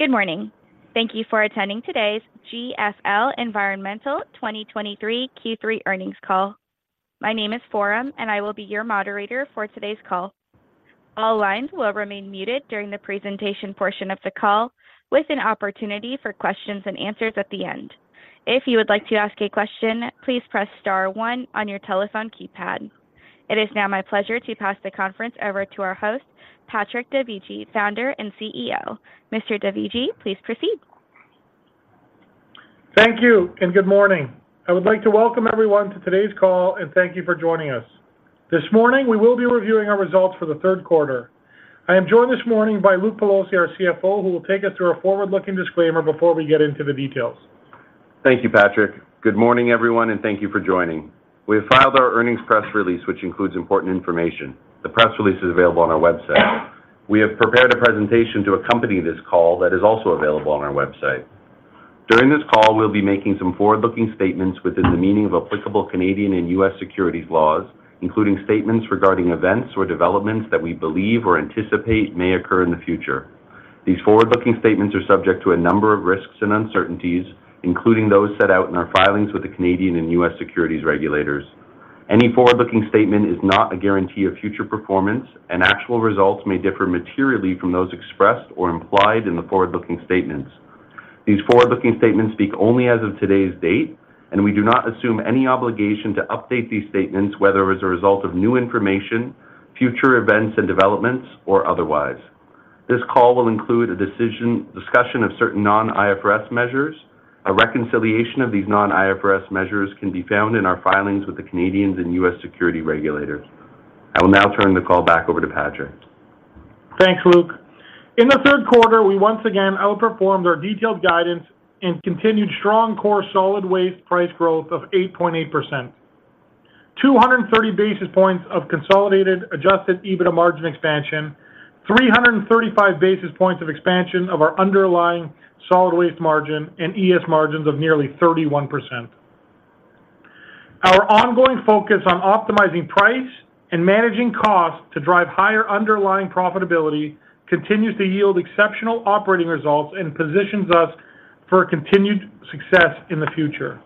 Good morning. Thank you for attending today's GFL Environmental 2023 Q3 Earnings Call. My name is Forum, and I will be your moderator for today's call. All lines will remain muted during the presentation portion of the call, with an opportunity for questions and answers at the end. If you would like to ask a question, please press star one on your telephone keypad. It is now my pleasure to pass the conference over to our host, Patrick Dovigi, Founder and CEO. Mr. Dovigi, please proceed. Thank you and good morning. I would like to welcome everyone to today's call, and thank you for joining us. This morning, we will be reviewing our results for the third quarter. I am joined this morning by Luke Pelosi, our CFO, who will take us through our forward-looking disclaimer before we get into the details. Thank you, Patrick. Good morning, everyone, and thank you for joining. We have filed our earnings press release, which includes important information. The press release is available on our website. We have prepared a presentation to accompany this call that is also available on our website. During this call, we'll be making some forward-looking statements within the meaning of applicable Canadian and U.S. securities laws, including statements regarding events or developments that we believe or anticipate may occur in the future. These forward-looking statements are subject to a number of risks and uncertainties, including those set out in our filings with the Canadian and U.S. securities regulators. Any forward-looking statement is not a guarantee of future performance, and actual results may differ materially from those expressed or implied in the forward-looking statements. These forward-looking statements speak only as of today's date, and we do not assume any obligation to update these statements, whether as a result of new information, future events and developments, or otherwise. This call will include a discussion of certain non-IFRS measures. A reconciliation of these non-IFRS measures can be found in our filings with the Canadian and U.S. securities regulators. I will now turn the call back over to Patrick. Thanks, Luke. In the third quarter, we once again outperformed our detailed guidance and continued strong core solid waste price growth of 8.8%. 230 basis points of consolidated adjusted EBITDA margin expansion, 335 basis points of expansion of our underlying solid waste margin, and ES margins of nearly 31%. Our ongoing focus on optimizing price and managing costs to drive higher underlying profitability continues to yield exceptional operating results and positions us for a continued success in the future.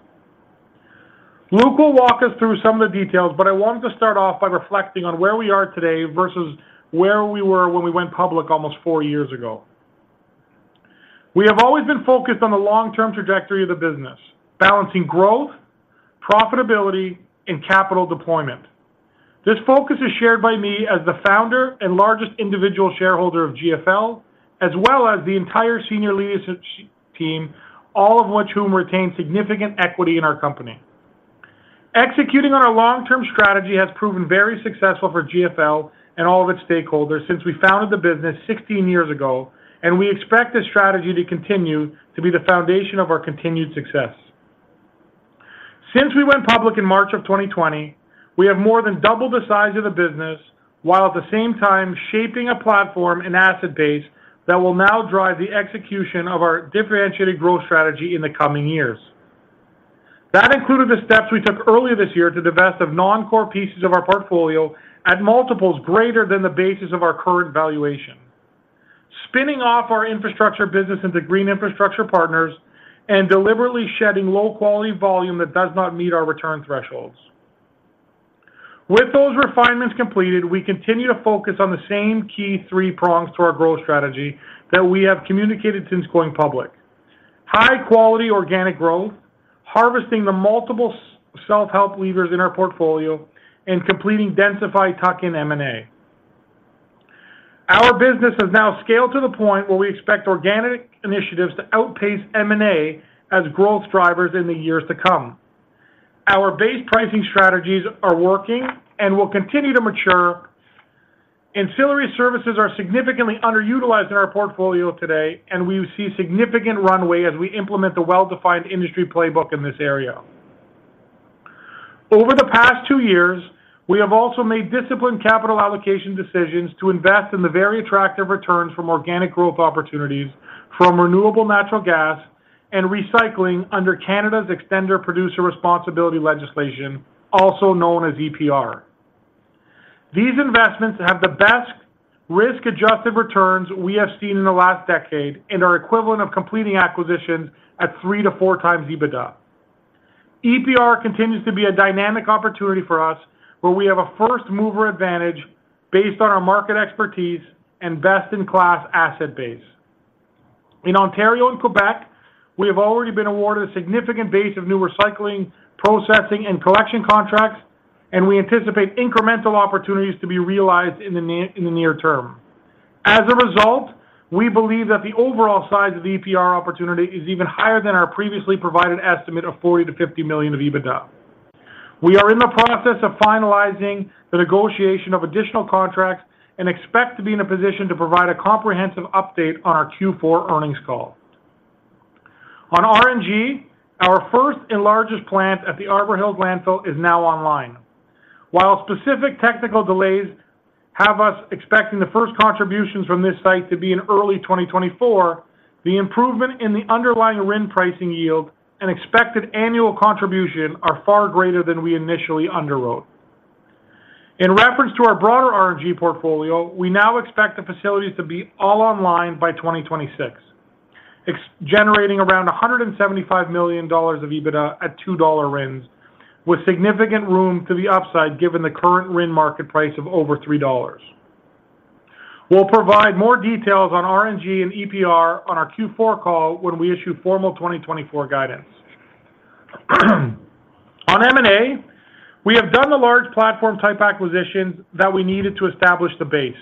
Luke will walk us through some of the details, but I wanted to start off by reflecting on where we are today versus where we were when we went public almost four years ago. We have always been focused on the long-term trajectory of the business, balancing growth, profitability, and capital deployment. This focus is shared by me as the founder and largest individual shareholder of GFL, as well as the entire senior leadership team, all of whom retain significant equity in our company. Executing on our long-term strategy has proven very successful for GFL and all of its stakeholders since we founded the business 16 years ago, and we expect this strategy to continue to be the foundation of our continued success. Since we went public in March of 2020, we have more than doubled the size of the business, while at the same time shaping a platform and asset base that will now drive the execution of our differentiated growth strategy in the coming years. That included the steps we took earlier this year to divest of non-core pieces of our portfolio at multiples greater than the basis of our current valuation. Spinning off our infrastructure business into Green Infrastructure Partners and deliberately shedding low-quality volume that does not meet our return thresholds. With those refinements completed, we continue to focus on the same key three prongs to our growth strategy that we have communicated since going public. High-quality organic growth, harvesting the multiple self-help levers in our portfolio, and completing densified tuck-in M&A. Our business has now scaled to the point where we expect organic initiatives to outpace M&A as growth drivers in the years to come. Our base pricing strategies are working and will continue to mature. Ancillary services are significantly underutilized in our portfolio today, and we see significant runway as we implement the well-defined industry playbook in this area. Over the past two years, we have also made disciplined capital allocation decisions to invest in the very attractive returns from organic growth opportunities from renewable natural gas and recycling under Canada's Extended Producer Responsibility legislation, also known as EPR. These investments have the best risk-adjusted returns we have seen in the last decade and are equivalent of completing acquisitions at 2x-4x EBITDA. EPR continues to be a dynamic opportunity for us, where we have a first-mover advantage based on our market expertise and best-in-class asset base. In Ontario and Quebec, we have already been awarded a significant base of new recycling, processing, and collection contracts, and we anticipate incremental opportunities to be realized in the near term. As a result, we believe that the overall size of the EPR opportunity is even higher than our previously provided estimate of 40 million—50 million of EBITDA. We are in the process of finalizing the negotiation of additional contracts and expect to be in a position to provide a comprehensive update on our Q4 earnings call. On RNG, our first and largest plant at the Arbor Hills Landfill is now online. While specific technical delays have us expecting the first contributions from this site to be in early 2024, the improvement in the underlying RIN pricing yield and expected annual contribution are far greater than we initially underwrote. In reference to our broader RNG portfolio, we now expect the facilities to be all online by 2026, expected to generate around 175 million dollars of EBITDA at 2 dollar RINs, with significant room to the upside, given the current RIN market price of over 3 dollars. We'll provide more details on RNG and EPR on our Q4 call when we issue formal 2024 guidance. On M&A, we have done the large platform-type acquisitions that we needed to establish the base.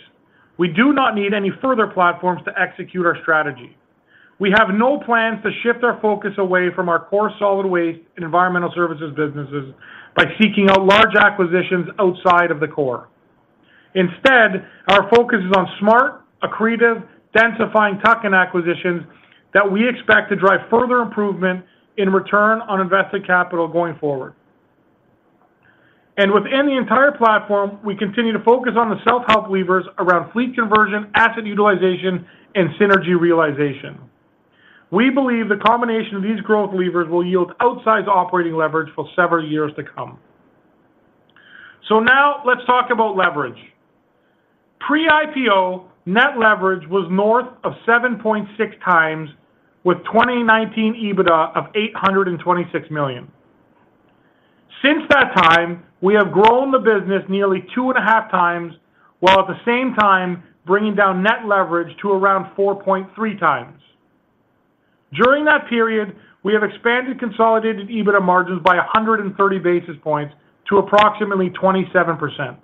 We do not need any further platforms to execute our strategy. We have no plans to shift our focus away from our core solid waste and environmental services businesses by seeking out large acquisitions outside of the core. Instead, our focus is on smart, accretive, densifying tuck-in acquisitions that we expect to drive further improvement in return on invested capital going forward. Within the entire platform, we continue to focus on the self-help levers around fleet conversion, asset utilization, and synergy realization. We believe the combination of these growth levers will yield outsized operating leverage for several years to come. Now let's talk about leverage. Pre-IPO, net leverage was north of 7.6x, with 2019 EBITDA of 826 million. Since that time, we have grown the business nearly 2.5x, while at the same time bringing down net leverage to around 4.3x. During that period, we have expanded consolidated EBITDA margins by 130 basis points to approximately 27%.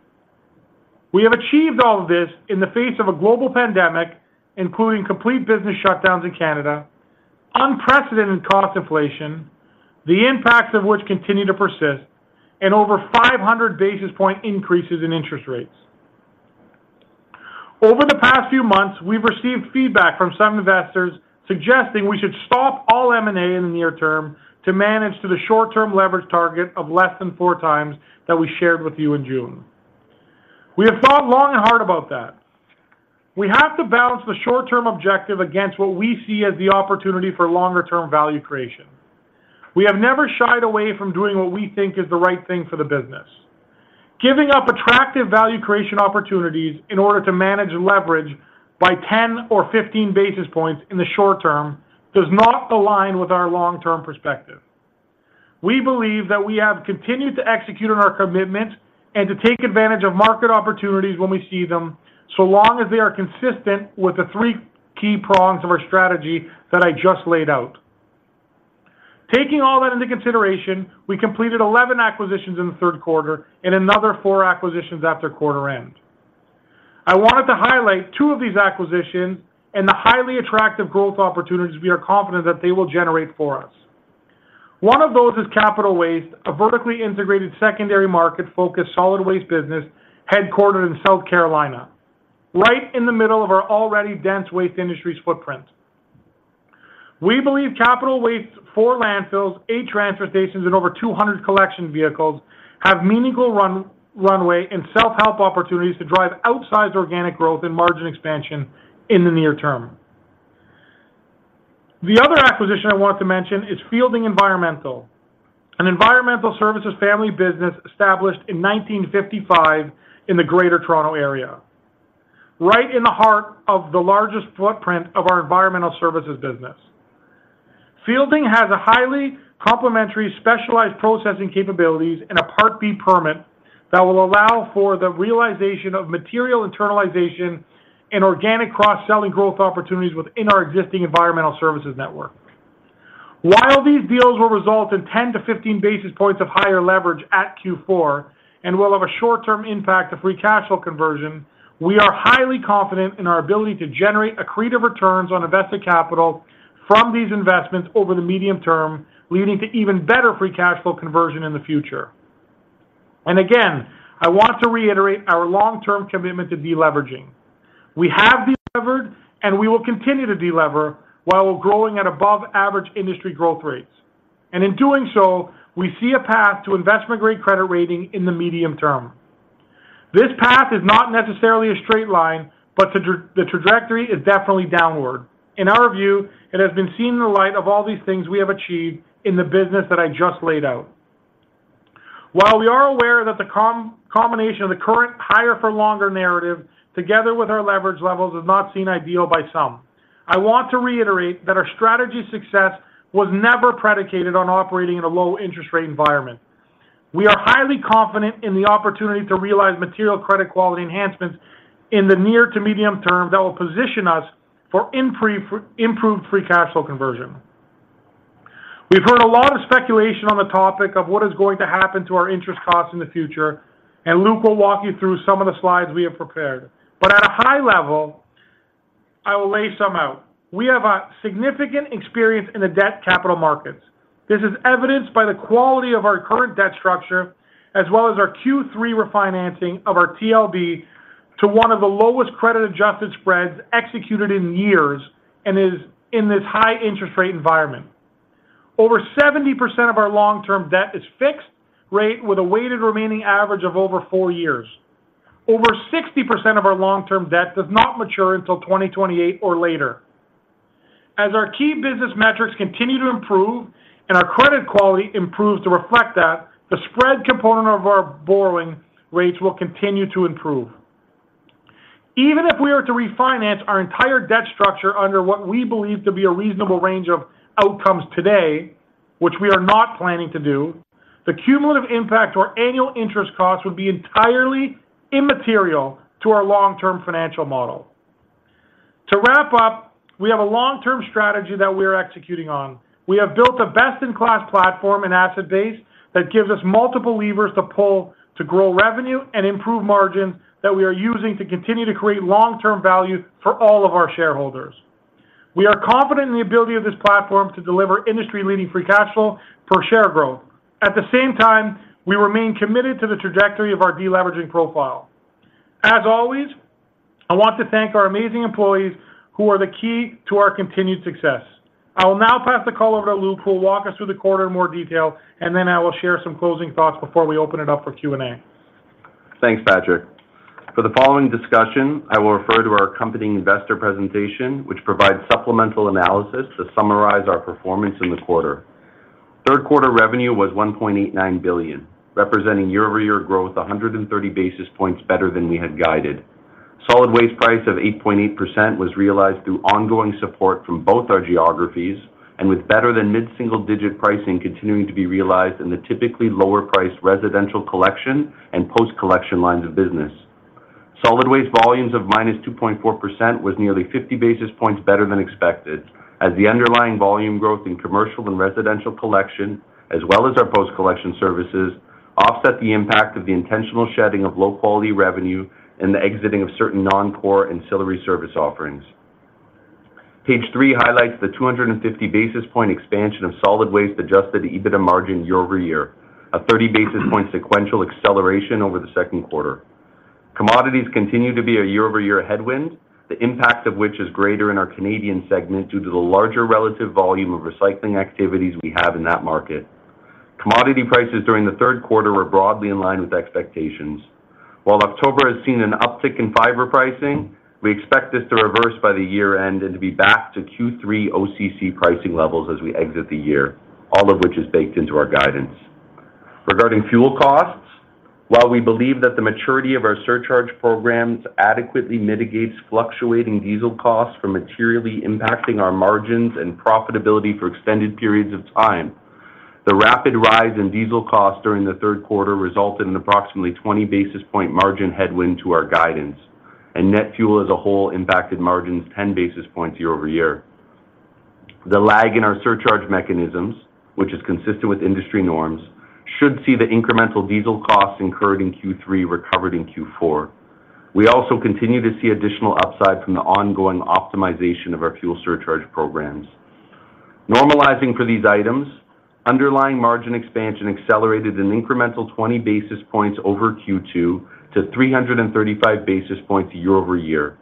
We have achieved all of this in the face of a global pandemic, including complete business shutdowns in Canada, unprecedented cost inflation, the impacts of which continue to persist, and over 500 basis point increases in interest rates. Over the past few months, we've received feedback from some investors suggesting we should stop all M&A in the near term to manage to the short-term leverage target of less than 4x that we shared with you in June. We have thought long and hard about that. We have to balance the short-term objective against what we see as the opportunity for longer-term value creation. We have never shied away from doing what we think is the right thing for the business. Giving up attractive value creation opportunities in order to manage leverage by 10–15 basis points in the short term does not align with our long-term perspective. We believe that we have continued to execute on our commitment and to take advantage of market opportunities when we see them, so long as they are consistent with the three key prongs of our strategy that I just laid out. Taking all that into consideration, we completed 11 acquisitions in the third quarter and another four acquisitions after quarter end. I wanted to highlight two of these acquisitions and the highly attractive growth opportunities we are confident that they will generate for us. One of those is Capital Waste, a vertically integrated, secondary market-focused, solid waste business, headquartered in South Carolina, right in the middle of our already dense waste industry's footprint. We believe Capital Waste, four landfills, eight transfer stations, and over 200 collection vehicles, have meaningful runway and self-help opportunities to drive outsized organic growth and margin expansion in the near term. The other acquisition I want to mention is Fielding Environmental, an environmental services family business established in 1955 in the Greater Toronto Area, right in the heart of the largest footprint of our environmental services business. Fielding has a highly complementary specialized processing capabilities and a Part B permit that will allow for the realization of material internalization and organic cross-selling growth opportunities within our existing environmental services network. While these deals will result in 10–15 basis points of higher leverage at Q4 and will have a short-term impact to free cash flow conversion, we are highly confident in our ability to generate accretive returns on invested capital from these investments over the medium term, leading to even better free cash flow conversion in the future. And again, I want to reiterate our long-term commitment to deleveraging. We have delevered, and we will continue to delever while we're growing at above average industry growth rates. In doing so, we see a path to investment-grade credit rating in the medium term. This path is not necessarily a straight line, but the trajectory is definitely downward. In our view, it has been seen in the light of all these things we have achieved in the business that I just laid out. While we are aware that the combination of the current higher-for-longer narrative, together with our leverage levels, is not seen ideal by some, I want to reiterate that our strategy success was never predicated on operating in a low interest rate environment. We are highly confident in the opportunity to realize material credit quality enhancements in the near to medium term that will position us for improved free cash flow conversion. We've heard a lot of speculation on the topic of what is going to happen to our interest costs in the future, and Luke will walk you through some of the slides we have prepared. But at a high level, I will lay some out. We have a significant experience in the debt capital markets. This is evidenced by the quality of our current debt structure, as well as our Q3 refinancing of our TLB to one of the lowest credit-adjusted spreads executed in years and is in this high interest rate environment. Over 70% of our long-term debt is fixed rate, with a weighted remaining average of over four years. Over 60% of our long-term debt does not mature until 2028 or later. As our key business metrics continue to improve and our credit quality improves to reflect that, the spread component of our borrowing rates will continue to improve. Even if we are to refinance our entire debt structure under what we believe to be a reasonable range of outcomes today, which we are not planning to do, the cumulative impact to our annual interest costs would be entirely immaterial to our long-term financial model. To wrap up, we have a long-term strategy that we are executing on. We have built a best-in-class platform and asset base that gives us multiple levers to pull to grow revenue and improve margins that we are using to continue to create long-term value for all of our shareholders. We are confident in the ability of this platform to deliver industry-leading free cash flow per share growth. At the same time, we remain committed to the trajectory of our deleveraging profile. As always, I want to thank our amazing employees, who are the key to our continued success. I will now pass the call over to Luke, who will walk us through the quarter in more detail, and then I will share some closing thoughts before we open it up for Q&A. Thanks, Patrick. For the following discussion, I will refer to our accompanying investor presentation, which provides supplemental analysis to summarize our performance in the quarter. Third quarter revenue was 1.89 billion, representing year-over-year growth, 130 basis points better than we had guided. Solid waste price of 8.8% was realized through ongoing support from both our geographies and with better than mid-single-digit pricing continuing to be realized in the typically lower priced residential collection and post-collection lines of business. Solid waste volumes of -2.4% was nearly 50 basis points better than expected, as the underlying volume growth in commercial and residential collection, as well as our post-collection services, offset the impact of the intentional shedding of low-quality revenue and the exiting of certain non-core ancillary service offerings. Page three highlights the 250 basis point expansion of solid waste adjusted EBITDA margin year-over-year, a 30 basis point sequential acceleration over the second quarter. Commodities continue to be a year-over-year headwind, the impact of which is greater in our Canadian segment due to the larger relative volume of recycling activities we have in that market. Commodity prices during the third quarter were broadly in line with expectations. While October has seen an uptick in fiber pricing, we expect this to reverse by the year-end and to be back to Q3 OCC pricing levels as we exit the year, all of which is baked into our guidance. Regarding fuel costs, while we believe that the maturity of our surcharge programs adequately mitigates fluctuating diesel costs from materially impacting our margins and profitability for extended periods of time, the rapid rise in diesel costs during the third quarter resulted in approximately 20 basis points margin headwind to our guidance, and net fuel as a whole impacted margins 10 basis points year-over-year. The lag in our surcharge mechanisms, which is consistent with industry norms, should see the incremental diesel costs incurred in Q3 recovered in Q4. We also continue to see additional upside from the ongoing optimization of our fuel surcharge programs. Normalizing for these items, underlying margin expansion accelerated an incremental 20 basis points over Q2 to 335 basis points year-over-year.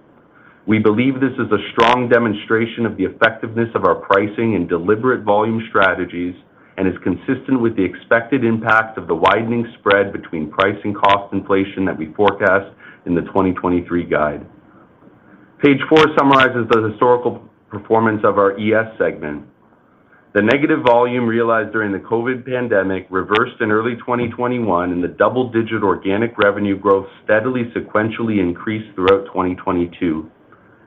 We believe this is a strong demonstration of the effectiveness of our pricing and deliberate volume strategies, and is consistent with the expected impact of the widening spread between price and cost inflation that we forecast in the 2023 guide. Page four summarizes the historical performance of our ES segment. The negative volume realized during the COVID pandemic reversed in early 2021, and the double-digit organic revenue growth steadily sequentially increased throughout 2022.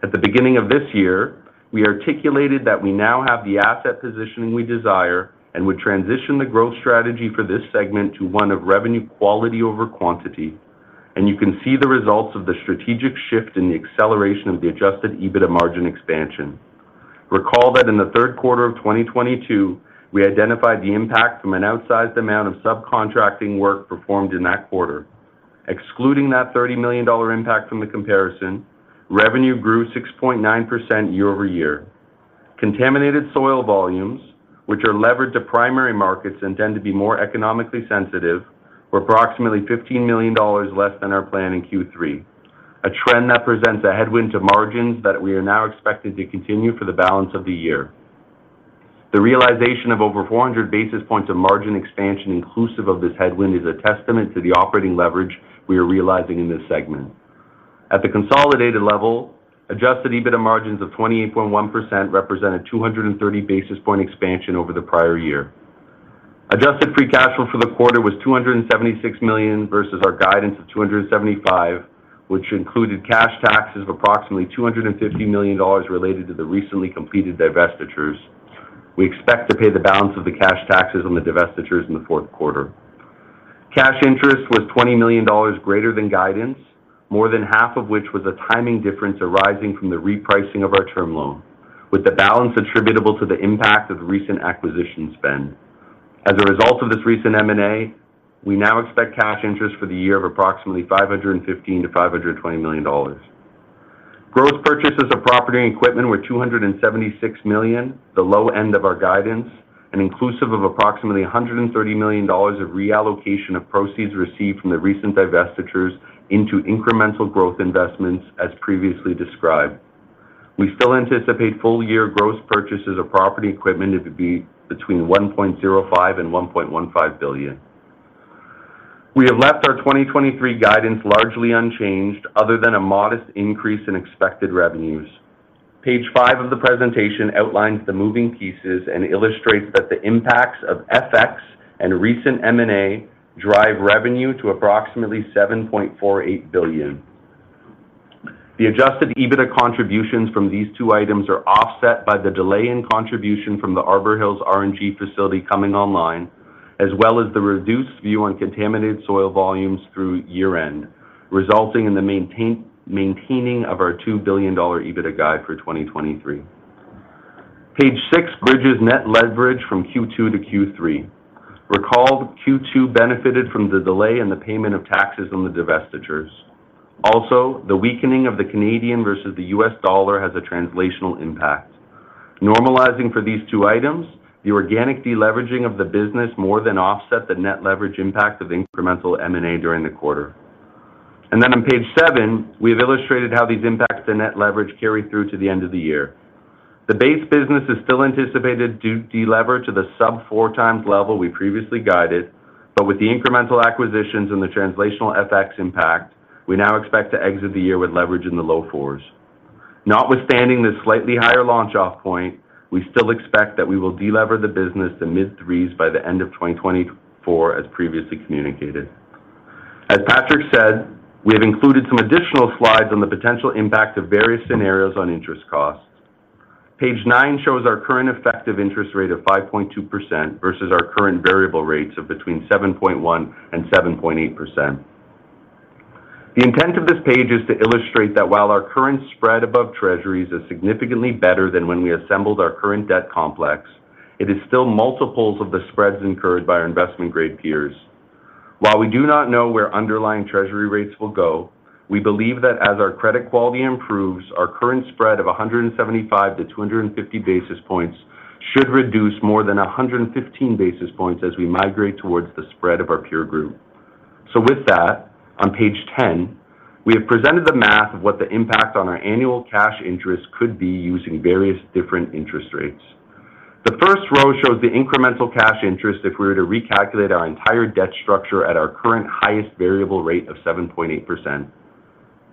At the beginning of this year, we articulated that we now have the asset positioning we desire and would transition the growth strategy for this segment to one of revenue quality over quantity, and you can see the results of the strategic shift in the acceleration of the adjusted EBITDA margin expansion. Recall that in the third quarter of 2022, we identified the impact from an outsized amount of subcontracting work performed in that quarter. Excluding that 30 million dollar impact from the comparison, revenue grew 6.9% year-over-year. Contaminated soil volumes, which are levered to primary markets and tend to be more economically sensitive, were approximately 15 million dollars less than our plan in Q3, a trend that presents a headwind to margins that we are now expecting to continue for the balance of the year. The realization of over 400 basis points of margin expansion, inclusive of this headwind, is a testament to the operating leverage we are realizing in this segment. At the consolidated level, adjusted EBITDA margins of 28.1% represented 230 basis point expansion over the prior year. Adjusted free cash flow for the quarter was 276 million versus our guidance of 275 million, which included cash taxes of approximately 250 million dollars related to the recently completed divestitures. We expect to pay the balance of the cash taxes on the divestitures in the fourth quarter. Cash interest was 20 million dollars greater than guidance, more than half of which was a timing difference arising from the repricing of our term loan, with the balance attributable to the impact of recent acquisition spend. As a result of this recent M&A, we now expect cash interest for the year of approximately 515 million-520 million dollars. Gross purchases of property and equipment were 276 million, the low end of our guidance, and inclusive of approximately 130 million dollars of reallocation of proceeds received from the recent divestitures into incremental growth investments, as previously described. We still anticipate full-year gross purchases of property equipment to be between 1.05 billion and 1.15 billion. We have left our 2023 guidance largely unchanged, other than a modest increase in expected revenues. Page five of the presentation outlines the moving pieces and illustrates that the impacts of FX and recent M&A drive revenue to approximately 7.48 billion. The adjusted EBITDA contributions from these two items are offset by the delay in contribution from the Arbor Hills RNG facility coming online, as well as the reduced view on contaminated soil volumes through year-end, resulting in the maintaining of our 2 billion dollar EBITDA guide for 2023. Page six bridges net leverage from Q2 to Q3. Recall, Q2 benefited from the delay in the payment of taxes on the divestitures. Also, the weakening of the Canadian versus the US dollar has a translational impact. Normalizing for these two items, the organic deleveraging of the business more than offset the net leverage impact of incremental M&A during the quarter. And then on page seven, we have illustrated how these impacts to net leverage carry through to the end of the year. The base business is still anticipated to delever to the sub-4x level we previously guided, but with the incremental acquisitions and the translational FX impact, we now expect to exit the year with leverage in the low-4s. Notwithstanding this slightly higher launch-off point, we still expect that we will delever the business to mid-3s by the end of 2024, as previously communicated. As Patrick said, we have included some additional slides on the potential impact of various scenarios on interest costs. Page nine shows our current effective interest rate of 5.2% versus our current variable rates of between 7.1% and 7.8%. The intent of this page is to illustrate that while our current spread above Treasuries is significantly better than when we assembled our current debt complex, it is still multiples of the spreads incurred by our investment-grade peers. While we do not know where underlying Treasury rates will go, we believe that as our credit quality improves, our current spread of 175–250 basis points should reduce more than 115 basis points as we migrate towards the spread of our peer group. So with that, on page 10, we have presented the math of what the impact on our annual cash interest could be using various different interest rates. The first row shows the incremental cash interest if we were to recalculate our entire debt structure at our current highest variable rate of 7.8%.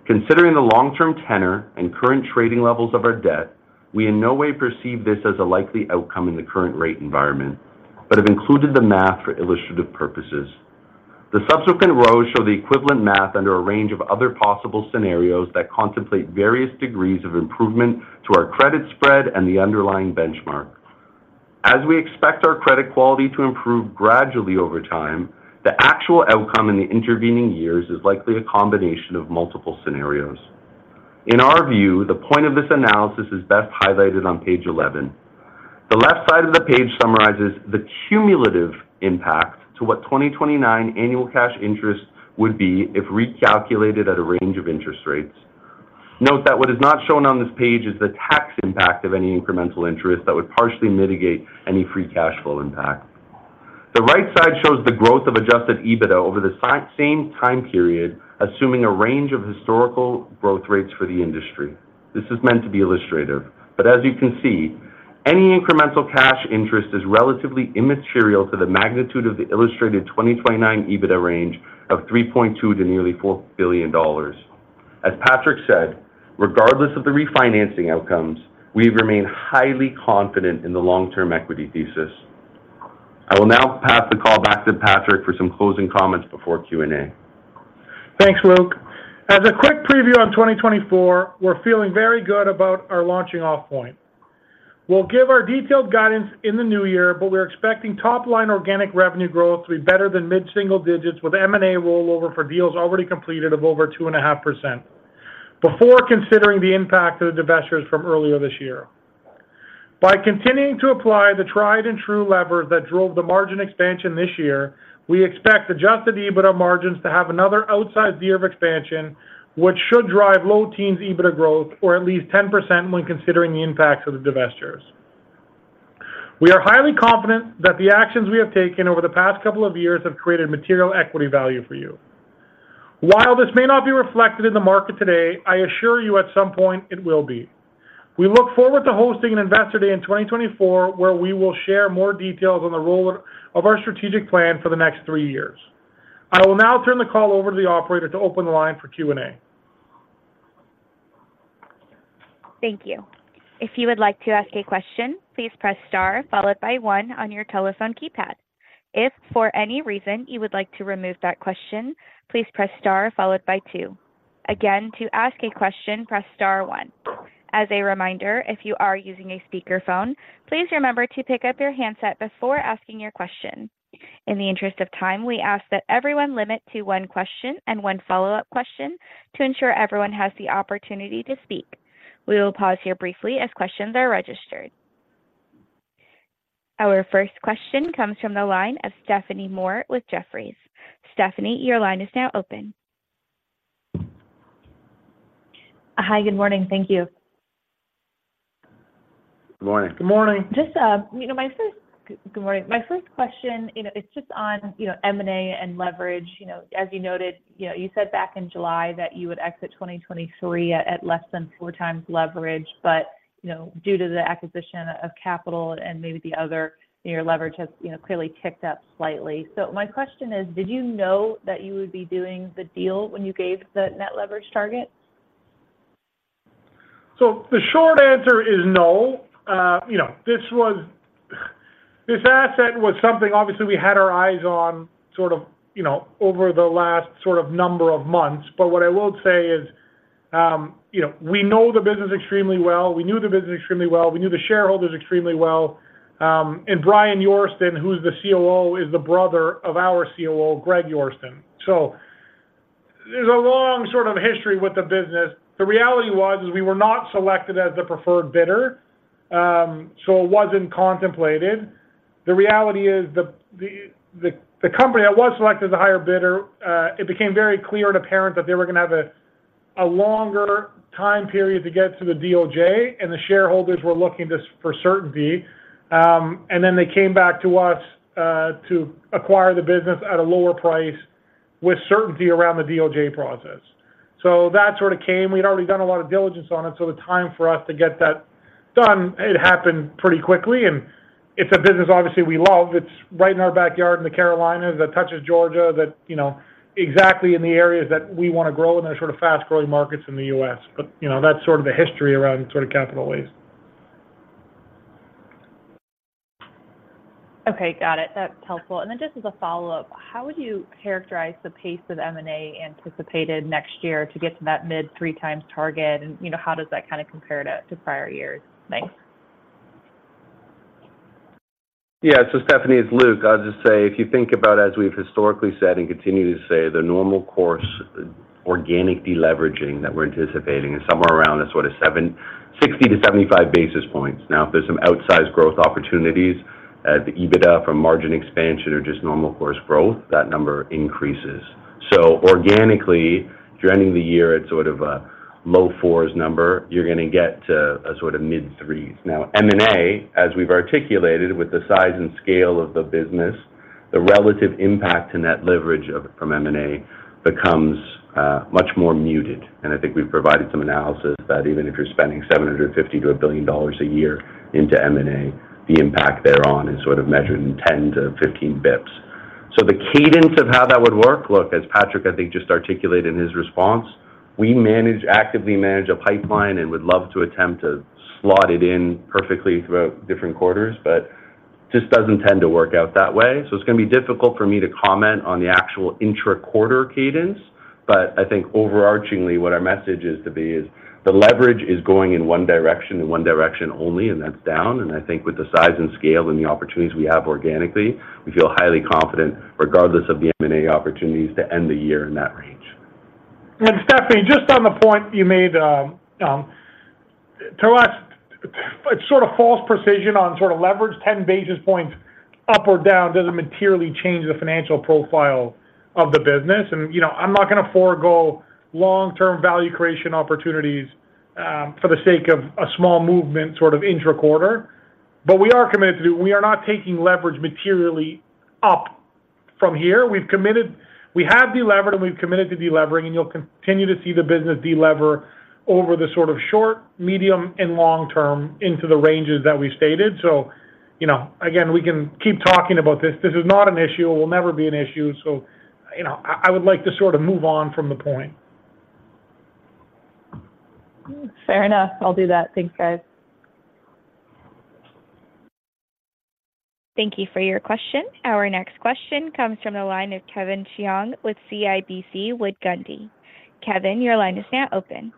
Considering the long-term tenor and current trading levels of our debt, we in no way perceive this as a likely outcome in the current rate environment, but have included the math for illustrative purposes. The subsequent rows show the equivalent math under a range of other possible scenarios that contemplate various degrees of improvement to our credit spread and the underlying benchmark. As we expect our credit quality to improve gradually over time, the actual outcome in the intervening years is likely a combination of multiple scenarios. In our view, the point of this analysis is best highlighted on page 11. The left side of the page summarizes the cumulative impact to what 2029 annual cash interest would be if recalculated at a range of interest rates. Note that what is not shown on this page is the tax impact of any incremental interest that would partially mitigate any free cash flow impact. The right side shows the growth of adjusted EBITDA over the same time period, assuming a range of historical growth rates for the industry. This is meant to be illustrative, but as you can see, any incremental cash interest is relatively immaterial to the magnitude of the illustrated 2029 EBITDA range of 3.2 billion to nearly 4 billion dollars. As Patrick said, regardless of the refinancing outcomes, we remain highly confident in the long-term equity thesis. I will now pass the call back to Patrick for some closing comments before Q&A. Thanks, Luke. As a quick preview on 2024, we're feeling very good about our launching off point. We'll give our detailed guidance in the new year, but we're expecting top-line organic revenue growth to be better than mid-single digits, with M&A rollover for deals already completed of over 2.5%, before considering the impact of the divestitures from earlier this year. By continuing to apply the tried and true levers that drove the margin expansion this year, we expect adjusted EBITDA margins to have another outsized year of expansion, which should drive low teens EBITDA growth, or at least 10% when considering the impacts of the divestitures. We are highly confident that the actions we have taken over the past couple of years have created material equity value for you. While this may not be reflected in the market today, I assure you at some point it will be. We look forward to hosting an Investor Day in 2024, where we will share more details on the role of our strategic plan for the next three years. I will now turn the call over to the operator to open the line for Q&A. Thank you. If you would like to ask a question, please press star, followed by one on your telephone keypad. If, for any reason, you would like to remove that question, please press star followed by two. Again, to ask a question, press star one. As a reminder, if you are using a speakerphone, please remember to pick up your handset before asking your question. In the interest of time, we ask that everyone limit to one question and one follow-up question to ensure everyone has the opportunity to speak. We will pause here briefly as questions are registered. Our first question comes from the line of Stephanie Moore with Jefferies. Stephanie, your line is now open. Hi, good morning. Thank you. Good morning. Good morning. Good morning. My first question, you know, it's just on, you know, M&A and leverage. You know, as you noted, you know, you said back in July that you would exit 2023 at less than 4x leverage, but, you know, due to the acquisition of capital and maybe the other, your leverage has, you know, clearly ticked up slightly. So my question is, did you know that you would be doing the deal when you gave the net leverage target? So the short answer is no. You know, this was, this asset was something obviously we had our eyes on, sort of, you know, over the last sort of number of months. But what I will say is, you know, we know the business extremely well. We knew the business extremely well. We knew the shareholders extremely well. And Brian Yorston, who's the COO, is the brother of our COO, Greg Yorston. So there's a long sort of history with the business. The reality was, is we were not selected as the preferred bidder, so it wasn't contemplated. The reality is, the company that was selected as the higher bidder, it became very clear and apparent that they were gonna have a longer time period to get to the DOJ, and the shareholders were looking just for certainty. And then they came back to us, to acquire the business at a lower price with certainty around the DOJ process. So that sort of came. We'd already done a lot of diligence on it, so the time for us to get that done, it happened pretty quickly, and it's a business obviously we love. It's right in our backyard in the Carolinas, that touches Georgia, that, you know, exactly in the areas that we want to grow in those sort of fast-growing markets in the U.S. But, you know, that's sort of the history around sort of Capital Waste. Okay, got it. That's helpful. And then just as a follow-up, how would you characterize the pace of M&A anticipated next year to get to that mid-3x target? And, you know, how does that kind of compare to prior years? Thanks. Yeah. So Stephanie, it's Luke. I'll just say, if you think about as we've historically said, and continue to say, the normal course organic deleveraging that we're anticipating is somewhere around a sort of 70–75 basis points. Now, if there's some outsized growth opportunities, the EBITDA from margin expansion or just normal course growth, that number increases. So organically, trending the year at sort of a low fours number, you're gonna get to a sort of mid-threes. Now, M&A, as we've articulated, with the size and scale of the business, the relative impact to net leverage of-- from M&A becomes, much more muted. And I think we've provided some analysis that even if you're spending 750 million-1 billion dollars a year into M&A, the impact thereon is sort of measured in 10–15 basis points. So the cadence of how that would work, look, as Patrick, I think, just articulated in his response, we actively manage a pipeline and would love to attempt to slot it in perfectly throughout different quarters, but just doesn't tend to work out that way. So it's gonna be difficult for me to comment on the actual intra-quarter cadence, but I think overarchingly, what our message is to be is, the leverage is going in one direction and one direction only, and that's down. And I think with the size and scale and the opportunities we have organically, we feel highly confident, regardless of the M&A opportunities, to end the year in that range. Stephanie, just on the point you made, to us, it's sort of false precision on sort of leverage. 10 basis points up or down doesn't materially change the financial profile of the business. And, you know, I'm not gonna forgo long-term value creation opportunities, for the sake of a small movement, sort of intra-quarter. But we are committed. We are not taking leverage materially up from here. We've committed. We have delevered, and we've committed to delevering, and you'll continue to see the business delever over the sort of short, medium, and long term into the ranges that we stated. So, you know, again, we can keep talking about this. This is not an issue, it will never be an issue. So, you know, I, I would like to sort of move on from the point. Fair enough. I'll do that. Thanks, guys. Thank you for your question. Our next question comes from the line of Kevin Chiang with CIBC Wood Gundy. Kevin, your line is now open.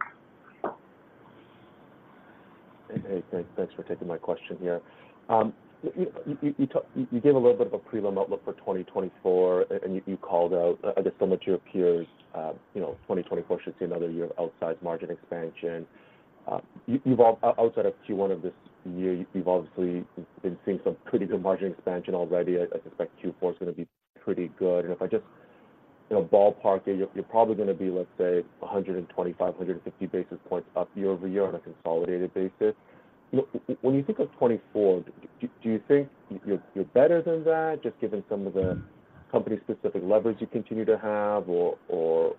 Hey, hey, thanks for taking my question here. You gave a little bit of a prelim outlook for 2024, and you called out, I guess, some of your peers, you know, 2024 should see another year of outsized margin expansion. Outside of Q1 of this year, you've obviously been seeing some pretty good margin expansion already. I suspect Q4 is gonna be pretty good. And if I just, you know, ballpark it, you're probably gonna be, let's say, 125–150 basis points up year-over-year on a consolidated basis. When you think of 2024, do you think you're better than that, just given some of the company-specific leverage you continue to have, or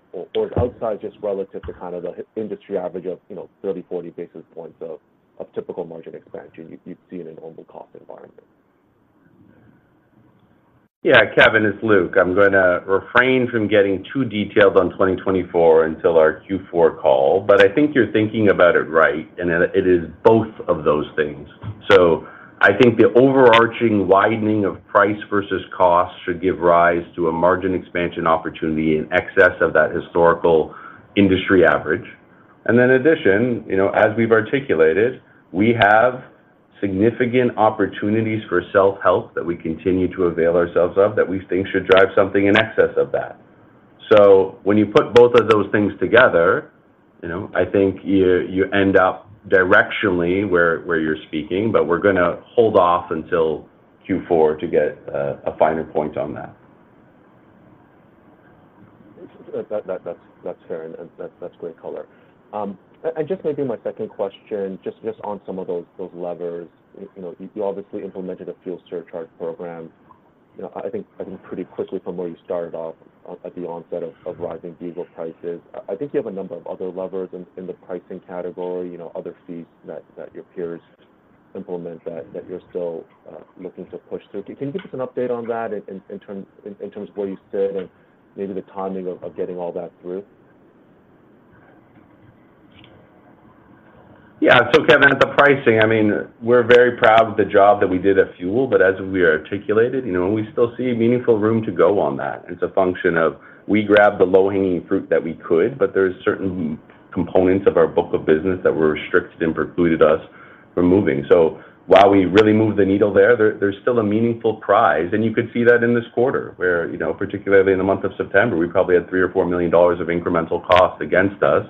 outside just relative to kind of the industry average of, you know, 30–40 basis points of typical margin expansion you'd see in a normal cost environment? Yeah, Kevin, it's Luke. I'm gonna refrain from getting too detailed on 2024 until our Q4 call, but I think you're thinking about it right, and it is both of those things. So I think the overarching widening of price versus cost should give rise to a margin expansion opportunity in excess of that historical industry average. And then in addition, you know, as we've articulated, we have significant opportunities for self-help that we continue to avail ourselves of, that we think should drive something in excess of that. So when you put both of those things together, you know, I think you end up directionally where you're speaking, but we're gonna hold off until Q4 to get a finer point on that. That's fair, and that's great color. And just maybe my second question, just on some of those levers. You know, you obviously implemented a fuel surcharge program, you know, I think pretty quickly from where you started off at the onset of rising diesel prices. I think you have a number of other levers in the pricing category, you know, other fees that your peers implement that, that you're still looking to push through. Can you give us an update on that in terms of where you sit and maybe the timing of getting all that through? Yeah. So, Kevin, at the pricing, I mean, we're very proud of the job that we did at fuel, but as we articulated, you know, we still see meaningful room to go on that. It's a function of we grabbed the low-hanging fruit that we could, but there are certain components of our book of business that were restricted and precluded us from moving. So while we really moved the needle there, there's, there's still a meaningful prize, and you could see that in this quarter, where, you know, particularly in the month of September, we probably had $3 million-$4 million of incremental costs against us,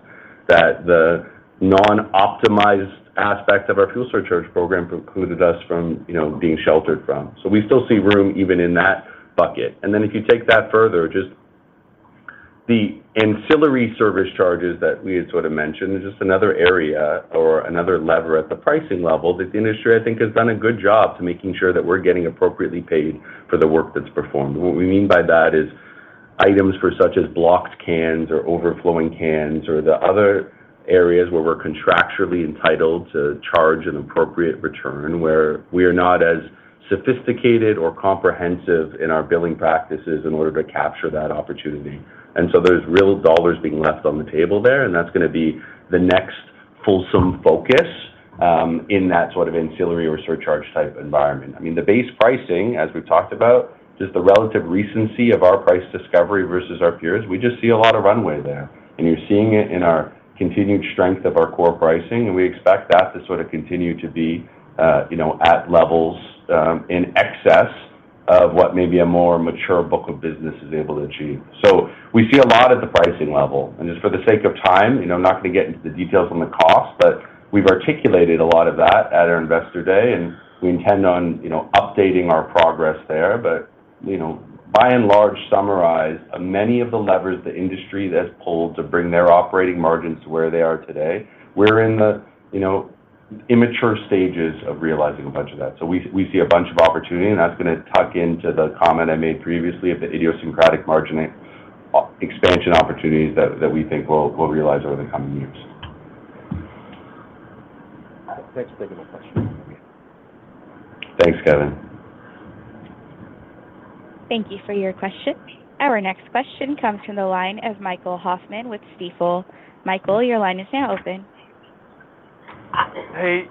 that the non-optimized aspects of our fuel surcharge program precluded us from, you know, being sheltered from. So we still see room even in that bucket. And then if you take that further, just the ancillary service charges that we had sort of mentioned is just another area or another lever at the pricing level, that the industry, I think, has done a good job to making sure that we're getting appropriately paid for the work that's performed. What we mean by that is items for such as blocked cans or overflowing cans or the other areas where we're contractually entitled to charge an appropriate return, where we are not as sophisticated or comprehensive in our billing practices in order to capture that opportunity. And so there's real dollars being left on the table there, and that's gonna be the next fulsome focus, in that sort of ancillary or surcharge-type environment. I mean, the base pricing, as we've talked about, just the relative recency of our price discovery versus our peers, we just see a lot of runway there. And you're seeing it in our continued strength of our core pricing, and we expect that to sort of continue to be, you know, at levels in excess of what maybe a more mature book of business is able to achieve. So we see a lot at the pricing level, and just for the sake of time, you know, I'm not going to get into the details on the cost, but we've articulated a lot of that at our Investor Day, and we intend on, you know, updating our progress there. But, you know, by and large, summarize many of the levers the industry has pulled to bring their operating margins to where they are today. We're in the, you know, immature stages of realizing a bunch of that. So we see a bunch of opportunity, and that's gonna tuck into the comment I made previously of the idiosyncratic margin expansion opportunities that we think we'll realize over the coming years. Thanks. Additional questions. Thanks, Kevin. Thank you for your question. Our next question comes from the line of Michael Hoffman with Stifel. Michael, your line is now open. Hey,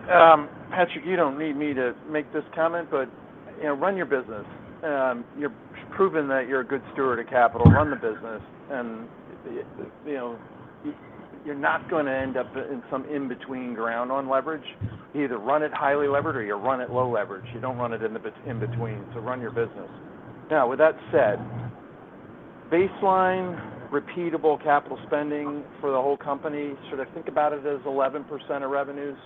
Patrick, you don't need me to make this comment, but, you know, run your business. You've proven that you're a good steward of capital. Run the business, and, you know, you're not going to end up in some in-between ground on leverage. You either run it highly leveraged or you run it low leverage. You don't run it in between, so run your business. Now, with that said, baseline repeatable capital spending for the whole company, should I think about it as 11% of revenues?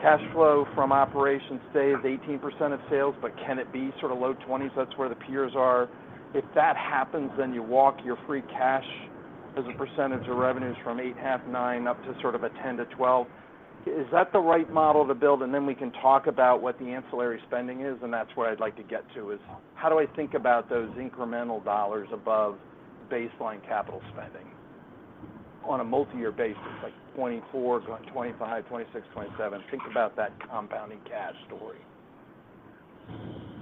Cash flow from operations stays at 18% of sales, but can it be sort of low 20s? That's where the peers are. If that happens, then you walk your free cash as a percentage of revenues from 8..5–9, up to sort of a 10–12. Is that the right model to build? Then we can talk about what the ancillary spending is, and that's what I'd like to get to, is how do I think about those incremental dollars above baseline capital spending on a multi-year basis, like 2024, going 2025, 2026, 2027? Think about that compounding cash story.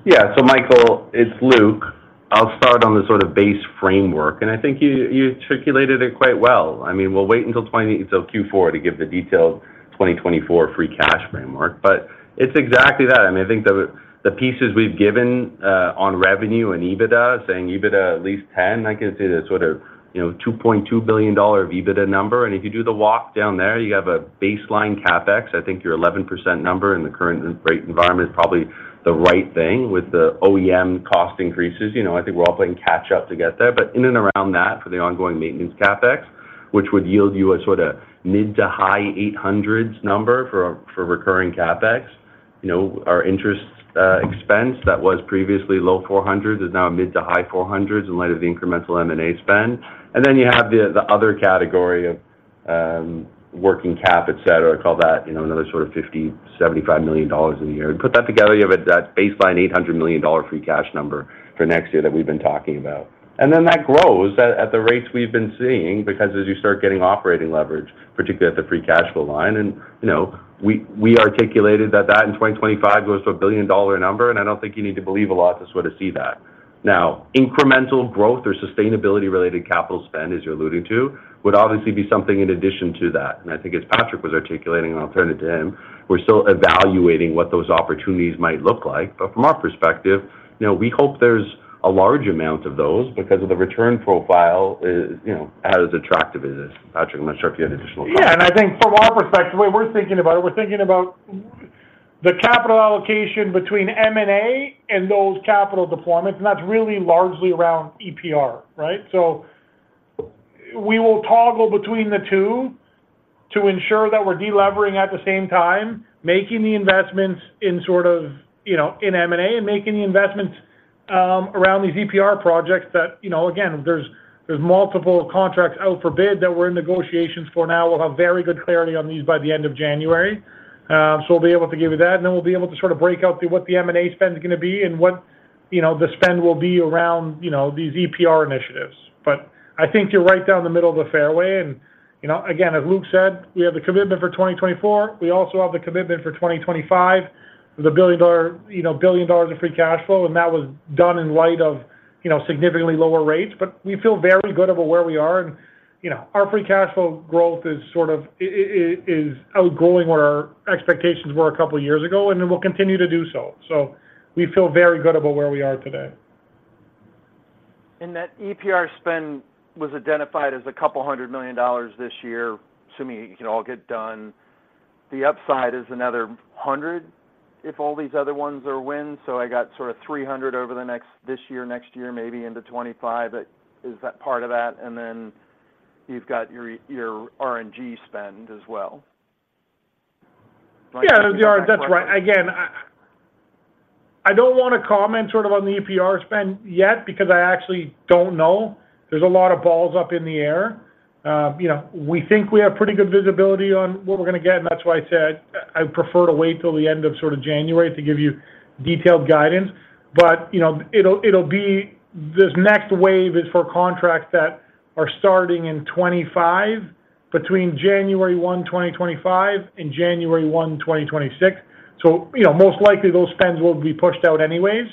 Yeah. So Michael, it's Luke. I'll start on the sort of base framework, and I think you you articulated it quite well. I mean, we'll wait until Q4 to give the detailed 2024 free cash framework, but it's exactly that. I mean, I think the pieces we've given on revenue and EBITDA, saying EBITDA at least 10, I can say the sort of, you know, 2.2 billion dollar of EBITDA number. And if you do the walk down there, you have a baseline CapEx. I think your 11% number in the current rate environment is probably the right thing with the OEM cost increases. You know, I think we're all playing catch up to get there. But in and around that, for the ongoing maintenance CapEx, which would yield you a sort of mid to high-800s number for recurring CapEx. You know, our interest expense that was previously low-400s is now mid to high-400s in light of the incremental M&A spend. And then you have the other category of working Cap, et cetera. I call that, you know, another sort of 50-75 million dollars a year. And put that together, you have that baseline 800 million dollar free cash number for next year that we've been talking about. And then that grows at the rates we've been seeing, because as you start getting operating leverage, particularly at the free cash flow line, and, you know, we articulated that in 2025 goes to a 1 billion dollar number, and I don't think you need to believe a lot to sort of see that. Now, incremental growth or sustainability related capital spend, as you're alluding to, would obviously be something in addition to that. And I think as Patrick was articulating, I'll turn it to him; we're still evaluating what those opportunities might look like. But from our perspective, you know, we hope there's a large amount of those because the return profile is, you know, as attractive as this. Patrick, I'm not sure if you had additional comments. Yeah, and I think from our perspective, the way we're thinking about it, we're thinking about the capital allocation between M&A and those capital deployments, and that's really largely around EPR, right? So we will toggle between the two to ensure that we're delevering at the same time, making the investments in sort of, you know, in M&A, and making the investments around these EPR projects that, you know, again, there's multiple contracts out for bid that we're in negotiations for now. We'll have very good clarity on these by the end of January. So we'll be able to give you that, and then we'll be able to sort of break out the, what the M&A spend is gonna be and what, you know, the spend will be around, you know, these EPR initiatives. But I think you're right down the middle of the fairway. You know, again, as Luke said, we have the commitment for 2024. We also have the commitment for 2025. There's 1 billion dollar, you know, billion dollars of free cash flow, and that was done in light of, you know, significantly lower rates. But we feel very good about where we are, and, you know, our free cash flow growth is sort of outgrowing what our expectations were a couple years ago, and it will continue to do so. So we feel very good about where we are today. That EPR spend was identified as 200 million dollars this year, assuming it can all get done. The upside is another 100 million, if all these other ones are wins. I got sort of 300 million over the next—this year, next year, maybe into 2025. But is that part of that, and then you've got your, your RNG spend as well? Yeah, that's right. Again, I, I don't want to comment sort of on the EPR spend yet, because I actually don't know. There's a lot of balls up in the air. You know, we think we have pretty good visibility on what we're gonna get, and that's why I said I'd prefer to wait till the end of sort of January to give you detailed guidance. But, you know, it'll, it'll be-- this next wave is for contracts that are starting in 2025, between January 1, 2025, and January 1, 2026. So, you know, most likely, those spends will be pushed out anyways,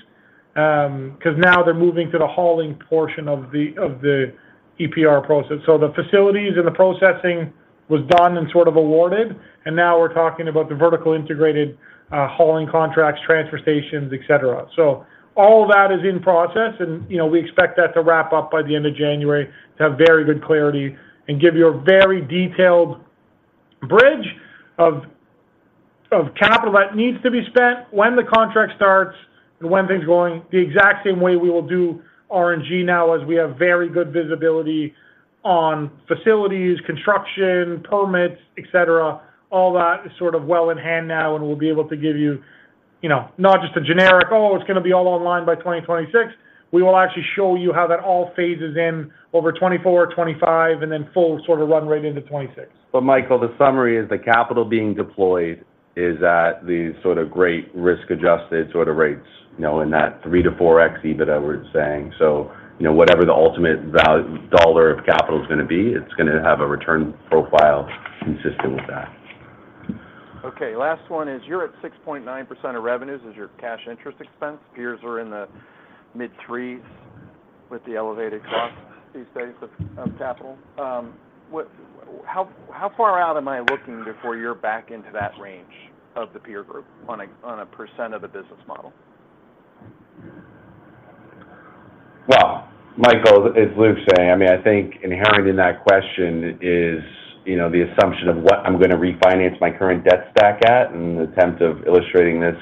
'cause now they're moving to the hauling portion of the, of the EPR process. So the facilities and the processing was done and sort of awarded, and now we're talking about the vertical integrated, hauling contracts, transfer stations, et cetera. So all that is in process, and, you know, we expect that to wrap up by the end of January, to have very good clarity and give you a very detailed bridge of capital that needs to be spent, when the contract starts, and when things are going. The exact same way we will do RNG now, as we have very good visibility on facilities, construction, permits, et cetera. All that is sort of well in hand now, and we'll be able to give you, you know, not just a generic, "Oh, it's gonna be all online by 2026." We will actually show you how that all phases in over 2024, 2025, and then full sort of run right into 2026. But Michael, the summary is the capital being deployed is at the sort of great risk-adjusted sort of rates, you know, in that 3–4x EBITDA that we're saying. So, you know, whatever the ultimate dollar of capital is gonna be, it's gonna have a return profile consistent with that. Okay, last one is, you're at 6.9% of revenues, is your cash interest expense. Peers are in the mid-3s with the elevated costs these days of capital. What, how far out am I looking before you're back into that range of the peer group on a, on a percent of a business model? Well, Michael, as Luke was saying, I mean, I think inherent in that question is, you know, the assumption of what I'm gonna refinance my current debt stack at, and the attempt of illustrating this,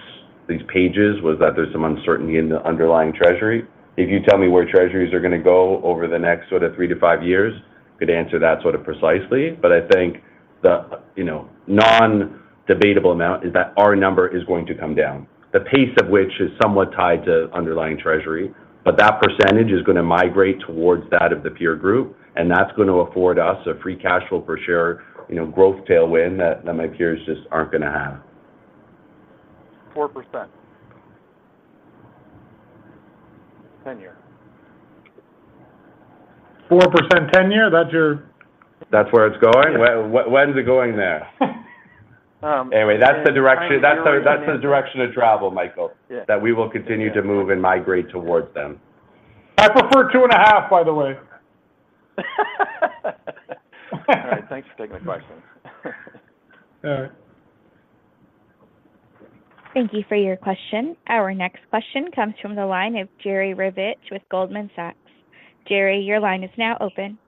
these pages, was that there's some uncertainty in the underlying treasury. If you tell me where treasuries are gonna go over the next sort of three to five years, I could answer that sort of precisely. But I think the, you know, non-debatable amount is that our number is going to come down. The pace of which is somewhat tied to underlying treasury, but that percentage is gonna migrate towards that of the peer group, and that's gonna afford us a free cash flow per share, you know, growth tailwind that, that my peers just aren't gonna have. 4% tenure. 4% tenure, that's your- That's where it's going? Yeah. When's it going there? Um- Anyway, that's the direction of travel, Michael. Yeah. That we will continue to move and migrate towards them. I prefer 2.5, by the way. All right, thanks for taking my question. All right. Thank you for your question. Our next question comes from the line of Jerry Revich with Goldman Sachs. Jerry, your line is now open.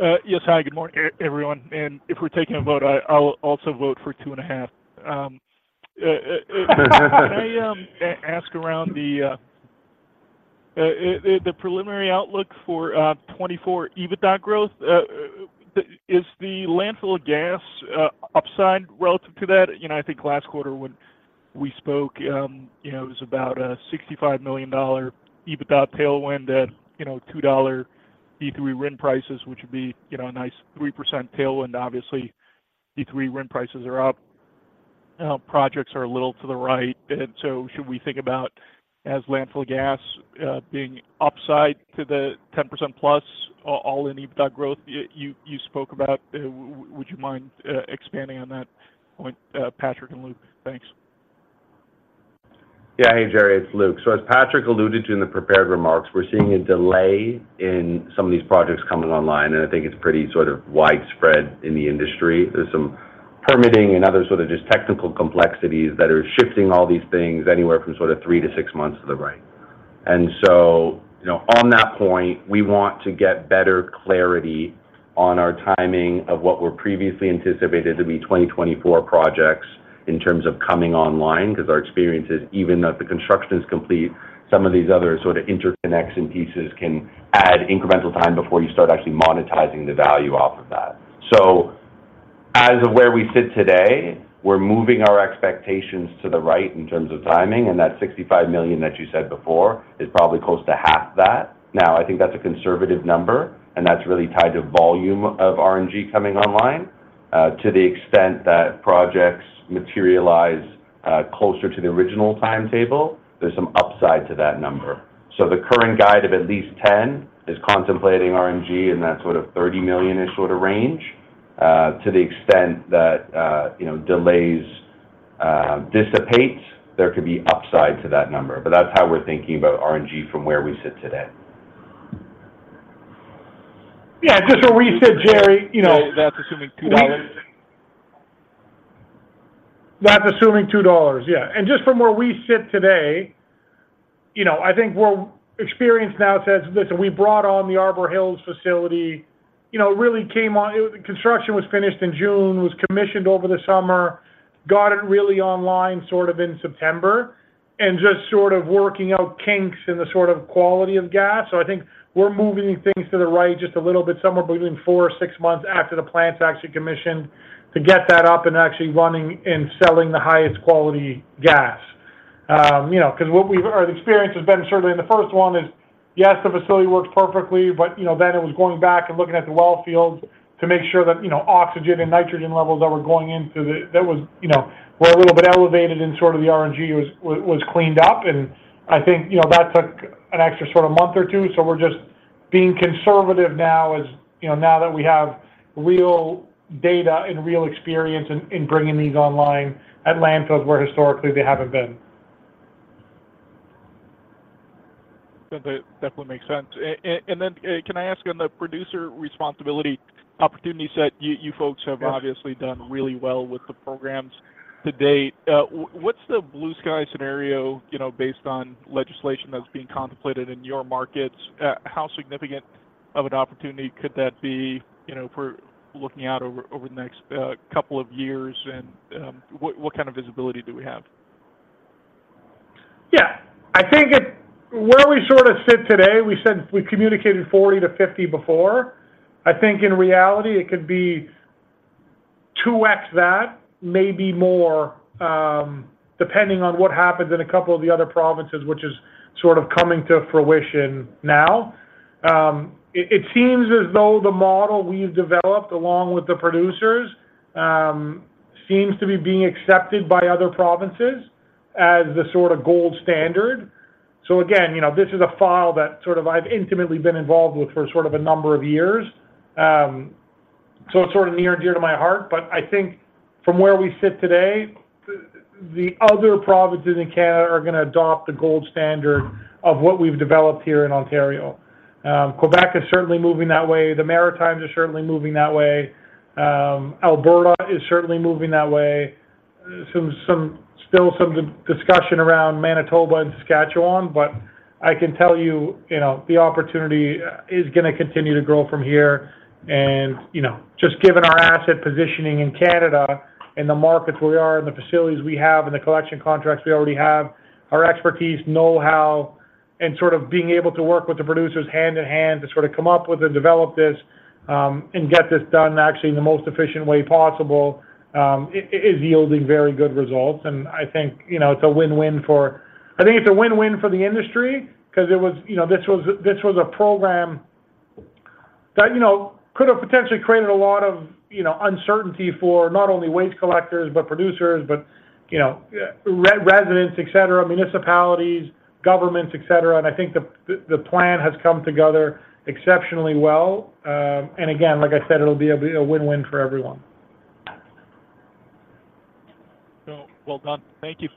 Yes. Hi, good morning, everyone. And if we're taking a vote, I'll also vote for 2.5. Can I ask about the preliminary outlook for 2024 EBITDA growth? Is the landfill gas upside relative to that? You know, I think last quarter when we spoke, you know, it was about a 65 million dollar EBITDA tailwind at, you know, 2 dollar D3 RIN prices, which would be, you know, a nice 3% tailwind. Obviously, D3 RIN prices are up, projects are a little to the right, and so should we think of landfill gas as being upside to the 10%+ all-in EBITDA growth you spoke about? Would you mind expanding on that point, Patrick and Luke? Thanks. Yeah. Hey, Jerry, it's Luke. So as Patrick alluded to in the prepared remarks, we're seeing a delay in some of these projects coming online, and I think it's pretty sort of widespread in the industry. There's some permitting and other sort of just technical complexities that are shifting all these things anywhere from sort of three to six months to the right. And so, you know, on that point, we want to get better clarity on our timing of what were previously anticipated to be 2024 projects in terms of coming online, because our experience is even though the construction is complete, some of these other sort of interconnects and pieces can add incremental time before you start actually monetizing the value off of that. So as of where we sit today, we're moving our expectations to the right in terms of timing, and that 65 million that you said before is probably close to half that. Now, I think that's a conservative number, and that's really tied to volume of RNG coming online. To the extent that projects materialize closer to the original timetable, there's some upside to that number. So the current guide of at least 10 is contemplating RNG in that sort of 30 million-ish sort of range. To the extent that, you know, delays dissipate, there could be upside to that number, but that's how we're thinking about RNG from where we sit today. Yeah, just where we sit, Jerry, you know- That's assuming 2 dollars? That's assuming 2 dollars, yeah. And just from where we sit today, you know, I think our experience now says, listen, we brought on the Arbor Hills facility, you know, it really came on. It was the construction was finished in June, was commissioned over the summer, got it really online sort of in September, and just sort of working out kinks in the sort of quality of gas. So I think we're moving things to the right just a little bit, somewhere between four or six months after the plant's actually commissioned, to get that up and actually running and selling the highest quality gas. You know, 'cause what we've—our experience has been, certainly in the first one, is, yes, the facility works perfectly, but, you know, then it was going back and looking at the well fields to make sure that, you know, oxygen and nitrogen levels that were going into the—that was, you know, were a little bit elevated in sort of the RNG was, was cleaned up. And I think, you know, that took an extra sort of month or two. So we're just being conservative now as, you know, now that we have real data and real experience in, in bringing these online at landfills where historically they haven't been. That definitely makes sense. And then, can I ask, on the producer responsibility opportunity set, you folks have obviously done really well with the programs to date. What's the blue sky scenario, you know, based on legislation that's being contemplated in your markets? How significant of an opportunity could that be, you know, for looking out over the next couple of years? And what kind of visibility do we have? Yeah. I think where we sort of sit today, we said we communicated 40–50 before. I think in reality, it could be 2x that, maybe more, depending on what happens in a couple of the other provinces, which is sort of coming to fruition now. It seems as though the model we've developed along with the producers seems to be being accepted by other provinces as the sort of gold standard. So again, you know, this is a file that sort of I've intimately been involved with for sort of a number of years. So it's sort of near and dear to my heart, but I think from where we sit today, the other provinces in Canada are gonna adopt the gold standard of what we've developed here in Ontario. Quebec is certainly moving that way. The Maritimes are certainly moving that way. Alberta is certainly moving that way. Still some discussion around Manitoba and Saskatchewan, but I can tell you, you know, the opportunity is gonna continue to grow from here. And, you know, just given our asset positioning in Canada and the markets where we are, and the facilities we have, and the collection contracts we already have, our expertise, know-how, and sort of being able to work with the producers hand-in-hand to sort of come up with and develop this, and get this done actually in the most efficient way possible, is yielding very good results. And I think, you know, it's a win-win for. I think it's a win-win for the industry, 'cause it was, you know, this was a program that, you know, could have potentially created a lot of, you know, uncertainty for not only waste collectors, but producers, but, you know, residents, et cetera, municipalities, governments, et cetera. And I think the plan has come together exceptionally well. And again, like I said, it'll be a win-win for everyone. Well done. Thank you.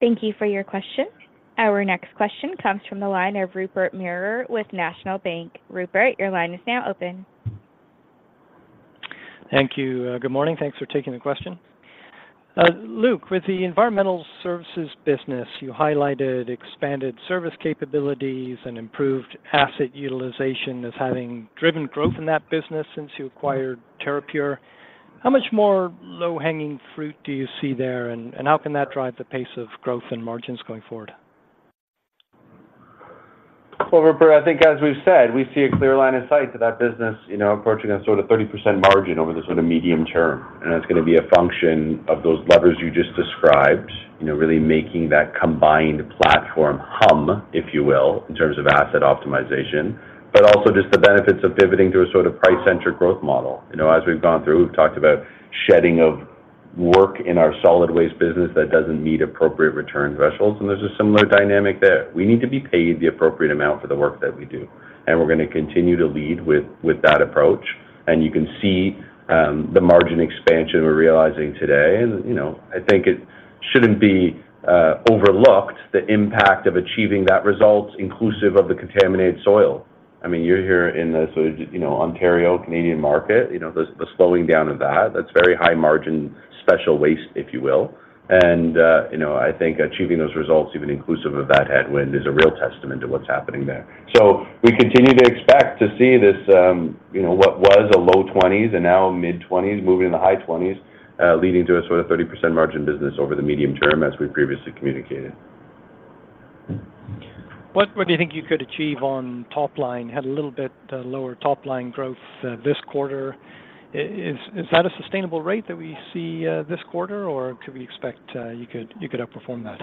Thank you for your question. Our next question comes from the line of Rupert Merer with National Bank. Rupert, your line is now open. Thank you. Good morning. Thanks for taking the question. Luke, with the environmental services business, you highlighted expanded service capabilities and improved asset utilization as having driven growth in that business since you acquired Terrapure. How much more low-hanging fruit do you see there, and, and how can that drive the pace of growth and margins going forward? Well, Rupert, I think as we've said, we see a clear line of sight to that business, you know, approaching a sort of 30% margin over the sort of medium term, and that's gonna be a function of those levers you just described. You know, really making that combined platform hum, if you will, in terms of asset optimization, but also just the benefits of pivoting to a sort of price-centric growth model. You know, as we've gone through, we've talked about shedding of work in our solid waste business that doesn't meet appropriate return thresholds, and there's a similar dynamic there. We need to be paid the appropriate amount for the work that we do, and we're gonna continue to lead with, with that approach. And you can see, the margin expansion we're realizing today. And, you know, I think it shouldn't be overlooked, the impact of achieving that result, inclusive of the contaminated soil. I mean, you're here in the sort of, you know, Ontario, Canadian market, you know, the slowing down of that, that's very high margin, special waste, if you will. And, you know, I think achieving those results, even inclusive of that headwind, is a real testament to what's happening there. So we continue to expect to see this, you know, what was a low 20s and now mid-20s, moving into high 20s, leading to a sort of 30% margin business over the medium term, as we previously communicated. What do you think you could achieve on top line? Had a little bit lower top-line growth this quarter. Is that a sustainable rate that we see this quarter, or could we expect you could outperform that?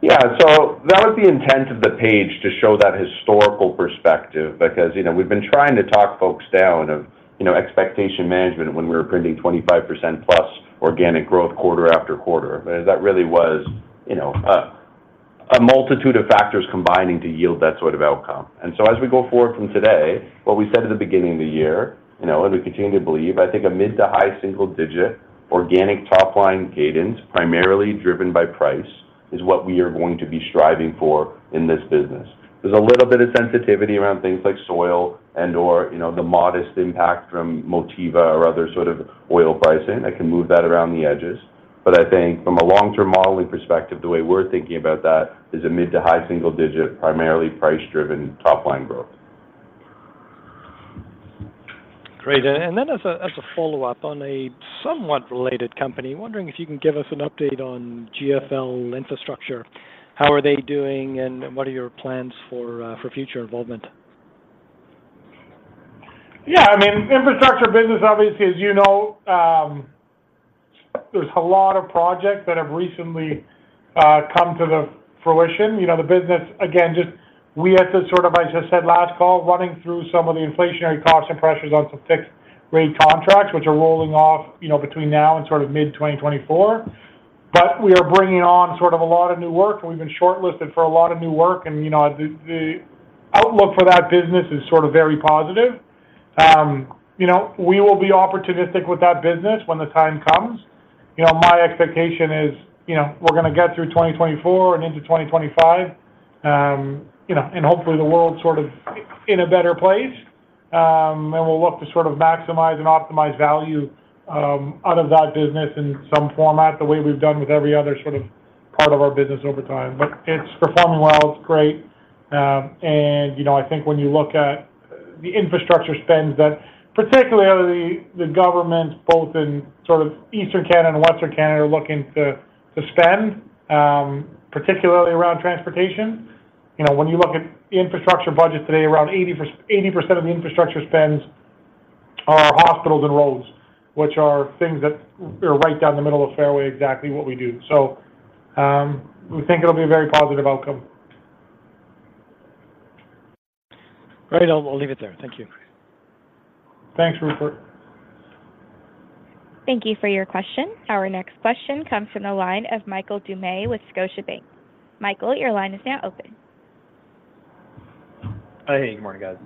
Yeah, so that was the intent of the page, to show that historical perspective, because, you know, we've been trying to talk folks down of, you know, expectation management when we were printing 25%+ organic growth quarter after quarter. But that really was, you know, a multitude of factors combining to yield that sort of outcome. And so as we go forward from today, what we said at the beginning of the year, you know, and we continue to believe, I think a mid to high-single-digit, organic top line cadence, primarily driven by price, is what we are going to be striving for in this business. There's a little bit of sensitivity around things like soil and/or, you know, the modest impact from Motiva or other sort of oil pricing that can move that around the edges. I think from a long-term modeling perspective, the way we're thinking about that is a midto high-single-digit, primarily price-driven top line growth. Great. And then as a, as a follow-up on a somewhat related company, wondering if you can give us an update on GFL Infrastructure. How are they doing, and what are your plans for, for future involvement? Yeah, I mean, infrastructure business, obviously, as you know, there's a lot of projects that have recently come to the fruition. You know, the business, again, just we had to sort of, as I said last call, running through some of the inflationary cost and pressures on some fixed rate contracts, which are rolling off, you know, between now and sort of mid-2024. But we are bringing on sort of a lot of new work, and we've been shortlisted for a lot of new work. And, you know, the, the outlook for that business is sort of very positive. You know, we will be opportunistic with that business when the time comes. You know, my expectation is, you know, we're gonna get through 2024 and into 2025, you know, and hopefully the world sort of in a better place. We'll look to sort of maximize and optimize value out of that business in some format, the way we've done with every other sort of part of our business over time. But it's performing well, it's great. You know, I think when you look at the infrastructure spends that particularly the governments, both in sort of Eastern Canada and Western Canada, are looking to spend, particularly around transportation. You know, when you look at infrastructure budgets today, around 80% of the infrastructure spends are hospitals and roads, which are things that are right down the middle of the fairway, exactly what we do. So, we think it'll be a very positive outcome. Great. I'll, I'll leave it there. Thank you. Thanks, Rupert. Thank you for your question. Our next question comes from the line of Michael Doumet with Scotiabank. Michael, your line is now open. Hey, good morning, guys.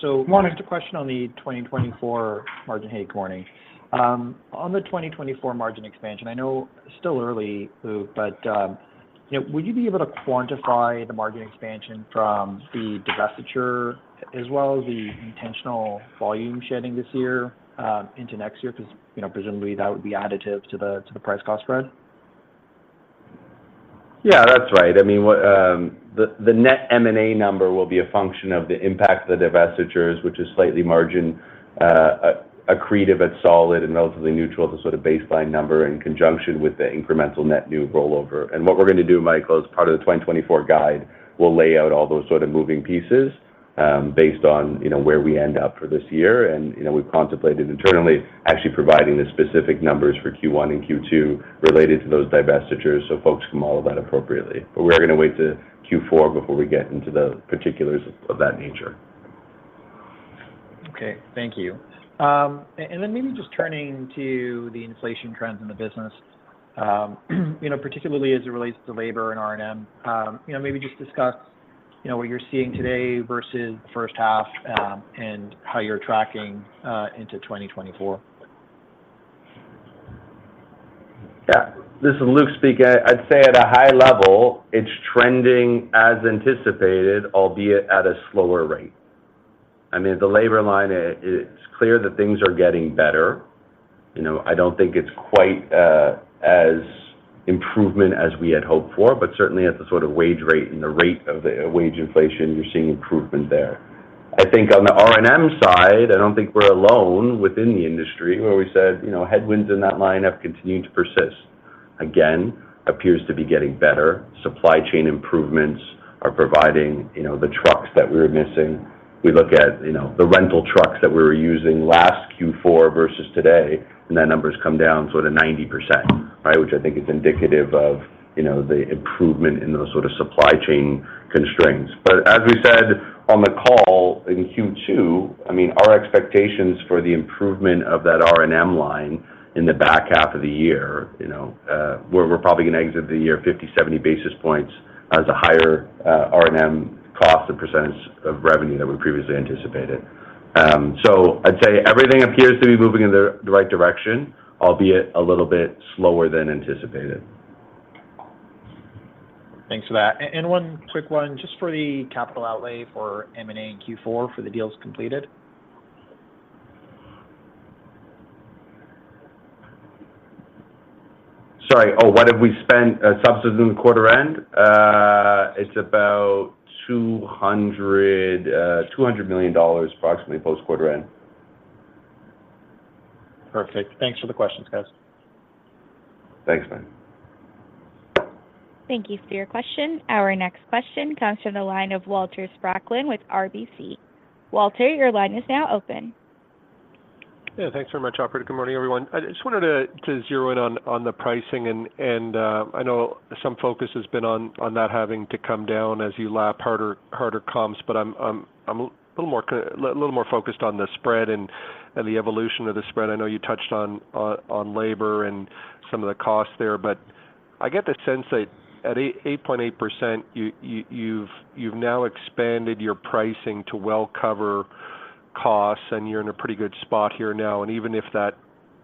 Good morning. Just a question on the 2024 margin. Hey, good morning. On the 2024 margin expansion, I know it's still early, but, you know, would you be able to quantify the margin expansion from the divestiture, as well as the intentional volume shedding this year, into next year? Because, you know, presumably that would be additive to the, to the price cost spread. Yeah, that's right. I mean, what, the net M&A number will be a function of the impact of the divestitures, which is slightly margin accretive at solid and relatively neutral as a sort of baseline number in conjunction with the incremental net new rollover. And what we're gonna do, Michael, as part of the 2024 guide, we'll lay out all those sort of moving pieces, based on, you know, where we end up for this year. And, you know, we've contemplated internally actually providing the specific numbers for Q1 and Q2 related to those divestitures so folks can model that appropriately. But we are gonna wait to Q4 before we get into the particulars of that nature. Okay. Thank you. And then maybe just turning to the inflation trends in the business, you know, particularly as it relates to labor and R&M. You know, maybe just discuss, you know, what you're seeing today versus the first half, and how you're tracking into 2024. Yeah. This is Luke speaking. I'd say at a high level, it's trending as anticipated, albeit at a slower rate. I mean, the labor line, it's clear that things are getting better. You know, I don't think it's quite as improvement as we had hoped for, but certainly at the sort of wage rate and the rate of the wage inflation, you're seeing improvement there. I think on the R&M side, I don't think we're alone within the industry, where we said, you know, headwinds in that line have continued to persist. Again, appears to be getting better. Supply chain improvements are providing, you know, the trucks that we were missing. We look at, you know, the rental trucks that we were using last Q4 versus today, and that number has come down to sort of 90%, right? Which I think is indicative of, you know, the improvement in those sort of supply chain constraints. But as we said on the call in Q2, I mean, our expectations for the improvement of that R&M line in the back half of the year, you know, we're probably going to exit the year 50–70 basis points as a higher R&M cost as a percentage of revenue than we previously anticipated. So I'd say everything appears to be moving in the right direction, albeit a little bit slower than anticipated. Thanks for that. And one quick one, just for the capital outlay for M&A in Q4 for the deals completed. Sorry. Oh, what have we spent subsequent to quarter end? It's about CAD 200 million, approximately, post-quarter end. Perfect. Thanks for the questions, guys. Thanks, man. Thank you for your question. Our next question comes from the line of Walter Spracklin with RBC. Walter, your line is now open. Yeah, thanks very much, operator. Good morning, everyone. I just wanted to zero in on the pricing and I know some focus has been on that having to come down as you lap harder comps. But I'm a little more focused on the spread and the evolution of the spread. I know you touched on labor and some of the costs there, but I get the sense that at 8.8%, you've now expanded your pricing to well cover costs, and you're in a pretty good spot here now. Even if that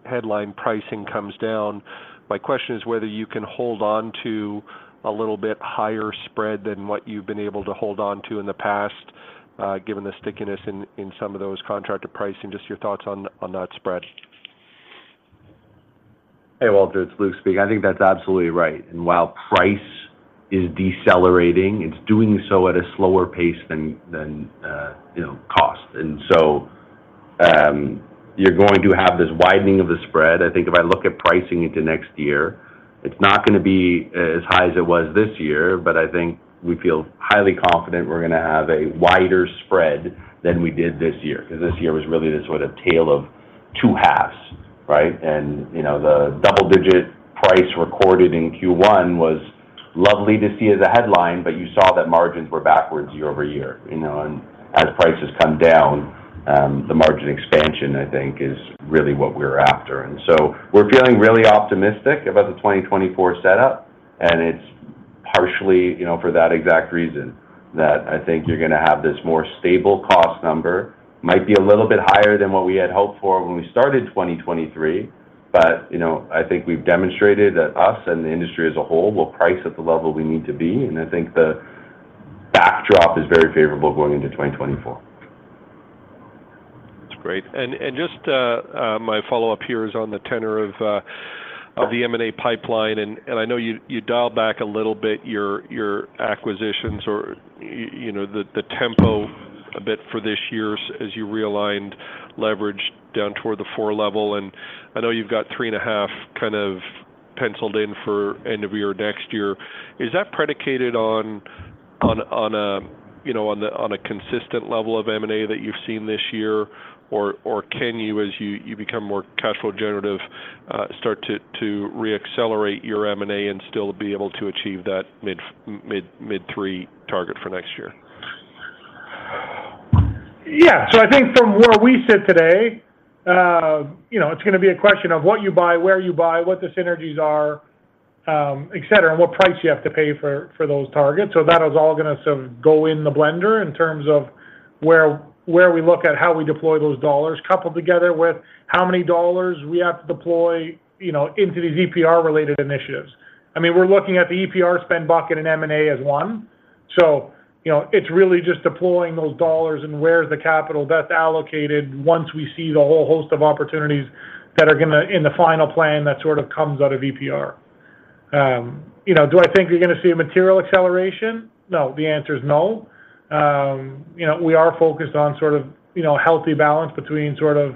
headline pricing comes down, my question is whether you can hold on to a little bit higher spread than what you've been able to hold on to in the past, given the stickiness in some of those contracted pricing? Just your thoughts on that spread. Hey, Walter, it's Luke speaking. I think that's absolutely right. And while price is decelerating, it's doing so at a slower pace than you know, cost. And so, you're going to have this widening of the spread. I think if I look at pricing into next year, it's not gonna be as high as it was this year, but I think we feel highly confident we're gonna have a wider spread than we did this year. Because this year was really the sort of tale of two halves, right? And you know, the double-digit price recorded in Q1 was lovely to see as a headline, but you saw that margins were backwards year-over-year, you know? And as prices come down, the margin expansion, I think, is really what we're after. So we're feeling really optimistic about the 2024 setup, and it's partially you know, for that exact reason, that I think you're gonna have this more stable cost number. Might be a little bit higher than what we had hoped for when we started 2023, but you know, I think we've demonstrated that us and the industry as a whole will price at the level we need to be. And I think the backdrop is very favorable going into 2024. That's great. And just my follow-up here is on the tenor of the M&A pipeline. And I know you dialed back a little bit your acquisitions or you know, the tempo a bit for this year as you realigned leverage down toward the four level. And I know you've got 3.5 kind of penciled in for end of year next year. Is that predicated on a you know, on a consistent level of M&A that you've seen this year? Or can you as you become more cash flow generative start to reaccelerate your M&A and still be able to achieve that mid-three target for next year? Yeah. So I think from where we sit today you know, it's gonna be a question of what you buy, where you buy, what the synergies are, et cetera, and what price you have to pay for those targets. So that is all gonna sort of go in the blender in terms of where we look at how we deploy those dollars, coupled together with how many dollars we have to deploy you know, into these EPR-related initiatives. I mean, we're looking at the EPR spend bucket and M&A as one. So you know, it's really just deploying those dollars and where the capital gets allocated once we see the whole host of opportunities that are gonna—in the final plan that sort of comes out of EPR. You know, do I think you're gonna see a material acceleration? No, the answer is no. You know, we are focused on sort of, you know, healthy balance between sort of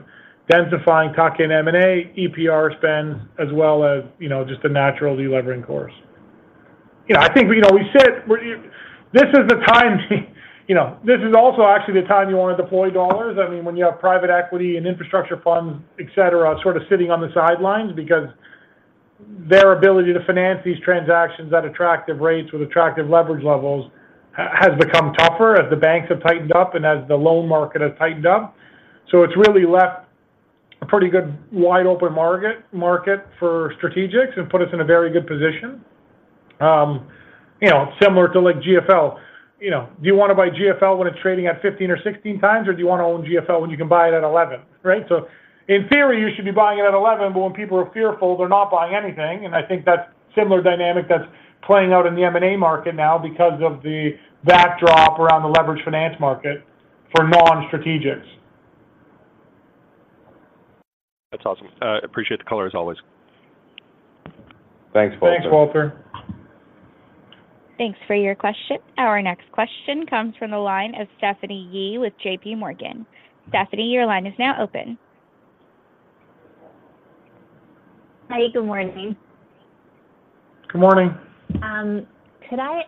densifying, talking M&A, EPR spend, as well as, you know, just the natural delevering course. You know, I think, you know, we said this is the time. You know, this is also actually the time you want to deploy dollars. I mean, when you have private equity and infrastructure funds, et cetera, sort of sitting on the sidelines, because their ability to finance these transactions at attractive rates with attractive leverage levels, has become tougher as the banks have tightened up and as the loan market has tightened up. So it's really left a pretty good wide open market for strategics and put us in a very good position. You know, similar to like GFL. You know, do you want to buy GFL when it's trading at 15x or 16x, or do you want to own GFL when you can buy it at 11x, right? So in theory, you should be buying it at 11x, but when people are fearful, they're not buying anything, and I think that's similar dynamic that's playing out in the M&A market now because of the backdrop around the leverage finance market for non-strategics. That's awesome. Appreciate the color, as always. Thanks, Walter. Thanks, Walter. Thanks for your question. Our next question comes from the line of Stephanie Yee with JPMorgan. Stephanie, your line is now open. Hi, good morning. Good morning. Could I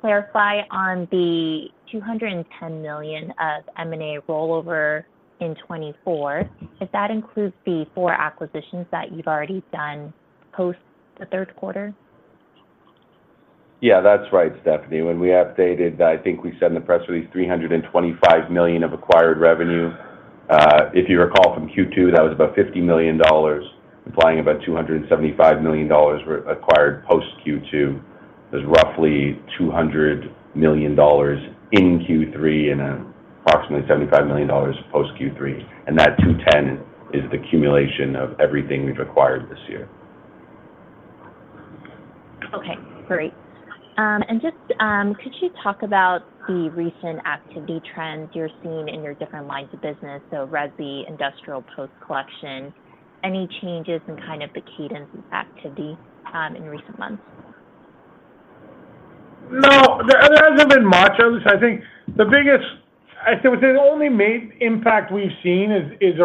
clarify on the 210 million of M&A rollover in 2024, if that includes the four acquisitions that you've already done post the third quarter? Yeah, that's right, Stephanie. When we updated, I think we said in the press release, 325 million of acquired revenue. If you recall from Q2, that was about 50 million dollars, implying about 275 million dollars were acquired post-Q2. There's roughly 200 million dollars in Q3 and approximately 75 million dollars post Q3, and that 210 million is the accumulation of everything we've acquired this year. Okay, great. And just, could you talk about the recent activity trends you're seeing in your different lines of business, so resi, industrial, post collection? Any changes in kind of the cadence of activity in recent months? No, there hasn't been much of this. I think the biggest—I'd say the only main impact we've seen is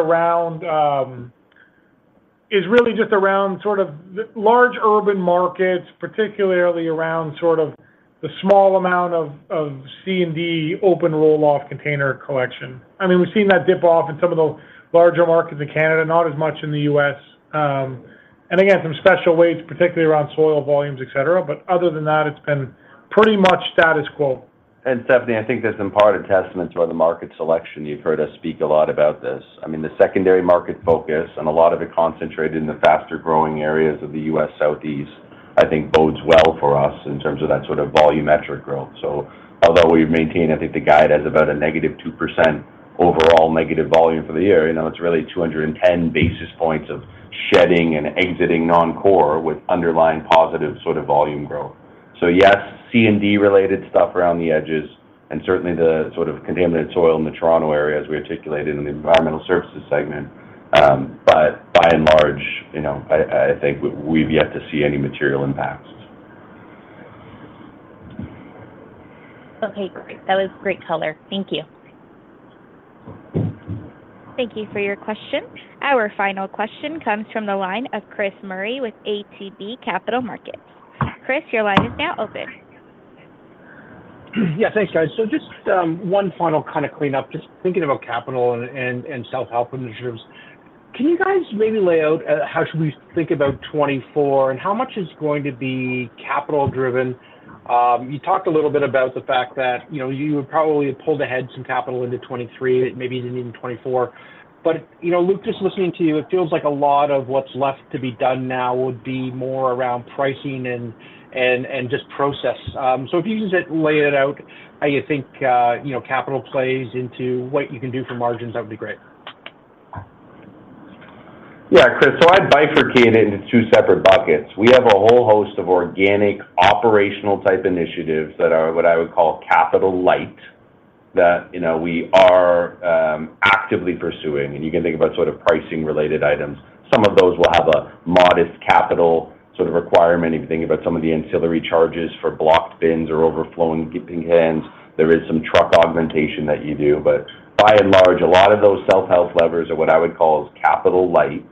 really just around sort of the large urban markets, particularly around sort of the small amount of C&D open roll-off container collection. I mean, we've seen that dip off in some of the larger markets in Canada, not as much in the U.S. And again, some special wastes, particularly around soil volumes, et cetera, but other than that, it's been pretty much status quo. Stephanie, I think that's in part a testament to the market selection. You've heard us speak a lot about this. I mean, the secondary market focus and a lot of it concentrated in the faster-growing areas of the U.S. Southeast, I think bodes well for us in terms of that sort of volumetric growth. So although we've maintained, I think, the guide as about a negative 2% overall negative volume for the year. You know, it's really 210 basis points of shedding and exiting non-core with underlying positive sort of volume growth. So yes, C&D-related stuff around the edges, and certainly the sort of contaminated soil in the Toronto area, as we articulated in the environmental services segment. But by and large, you know, I think we've yet to see any material impacts. Okay, great. That was great color. Thank you. Thank you for your question. Our final question comes from the line of Chris Murray with ATB Capital Markets. Chris, your line is now open. Yeah, thanks, guys. So just one final kind of cleanup, just thinking about capital and self-help initiatives. Can you guys maybe lay out how should we think about 2024, and how much is going to be capital driven? You talked a little bit about the fact that, you know, you probably have pulled ahead some capital into 2023, maybe even in 2024. But, you know, Luke, just listening to you, it feels like a lot of what's left to be done now would be more around pricing and just process. So if you could just lay it out how you think, you know, capital plays into what you can do for margins, that would be great. Yeah, Chris. So I bifurcated into two separate buckets. We have a whole host of organic, operational-type initiatives that are what I would call capital light, that, you know, we are actively pursuing, and you can think about sort of pricing-related items. Some of those will have a modest capital sort of requirement. If you think about some of the ancillary charges for blocked bins or overflowing dipping hands, there is some truck augmentation that you do. But by and large, a lot of those self-help levers are what I would call is capital light.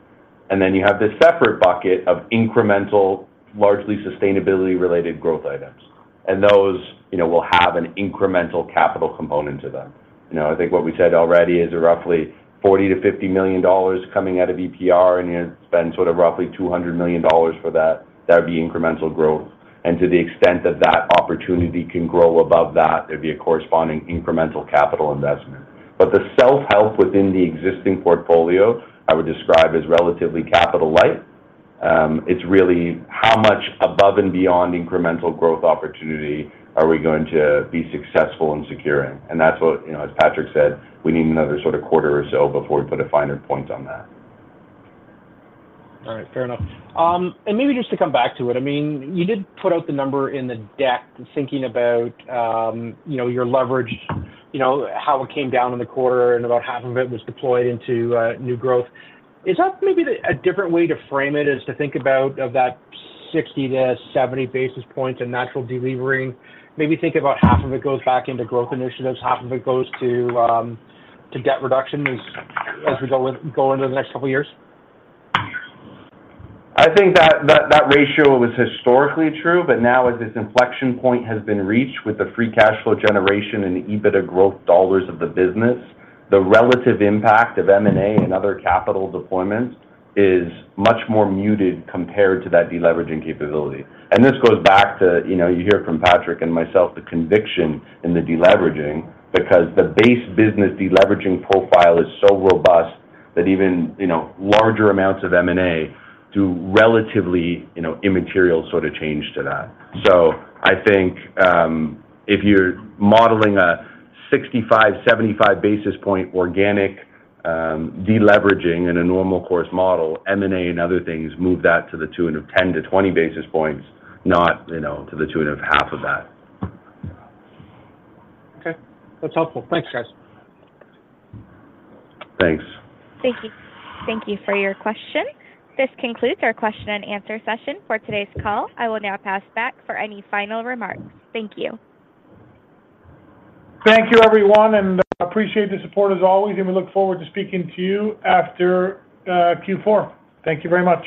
And then you have this separate bucket of incremental, largely sustainability-related growth items, and those, you know, will have an incremental capital component to them. You know, I think what we said already is roughly 40 million-50 million dollars coming out of EPR, and you're gonna spend sort of roughly 200 million dollars for that. That would be incremental growth, and to the extent that that opportunity can grow above that, there'd be a corresponding incremental capital investment. But the self-help within the existing portfolio, I would describe as relatively capital light. It's really how much above and beyond incremental growth opportunity are we going to be successful in securing? And that's what, you know, as Patrick said, we need another sort of quarter or so before we put a finer point on that. All right. Fair enough. And maybe just to come back to it, I mean, you did put out the number in the deck, thinking about, you know, your leverage, you know, how it came down in the quarter and about half of it was deployed into new growth. Is that maybe a different way to frame it, is to think about of that 60–70 basis points in natural delevering? Maybe think about half of it goes back into growth initiatives, half of it goes to debt reduction as we go into the next couple of years? I think that ratio was historically true, but now as this inflection point has been reached with the free cash flow generation and the EBITDA growth dollars of the business, the relative impact of M&A and other capital deployments is much more muted compared to that deleveraging capability. And this goes back to—you know, you hear from Patrick and myself, the conviction in the deleveraging, because the base business deleveraging profile is so robust that even, you know, larger amounts of M&A do relatively, you know, immaterial sort of change to that. So I think, if you're modeling a 65–75 basis point organic deleveraging in a normal course model, M&A and other things move that to the tune of 10–20 basis points, not, you know, to the tune of half of that. Okay. That's helpful. Thanks, guys. Thanks. Thank you. Thank you for your question. This concludes our question and answer session for today's call. I will now pass back for any final remarks. Thank you. Thank you, everyone, and appreciate the support as always, and we look forward to speaking to you after Q4. Thank you very much.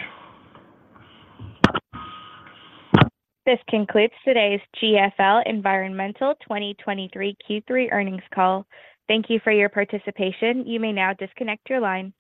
This concludes today's GFL Environmental 2023 Q3 Earnings Call. Thank you for your participation. You may now disconnect your line.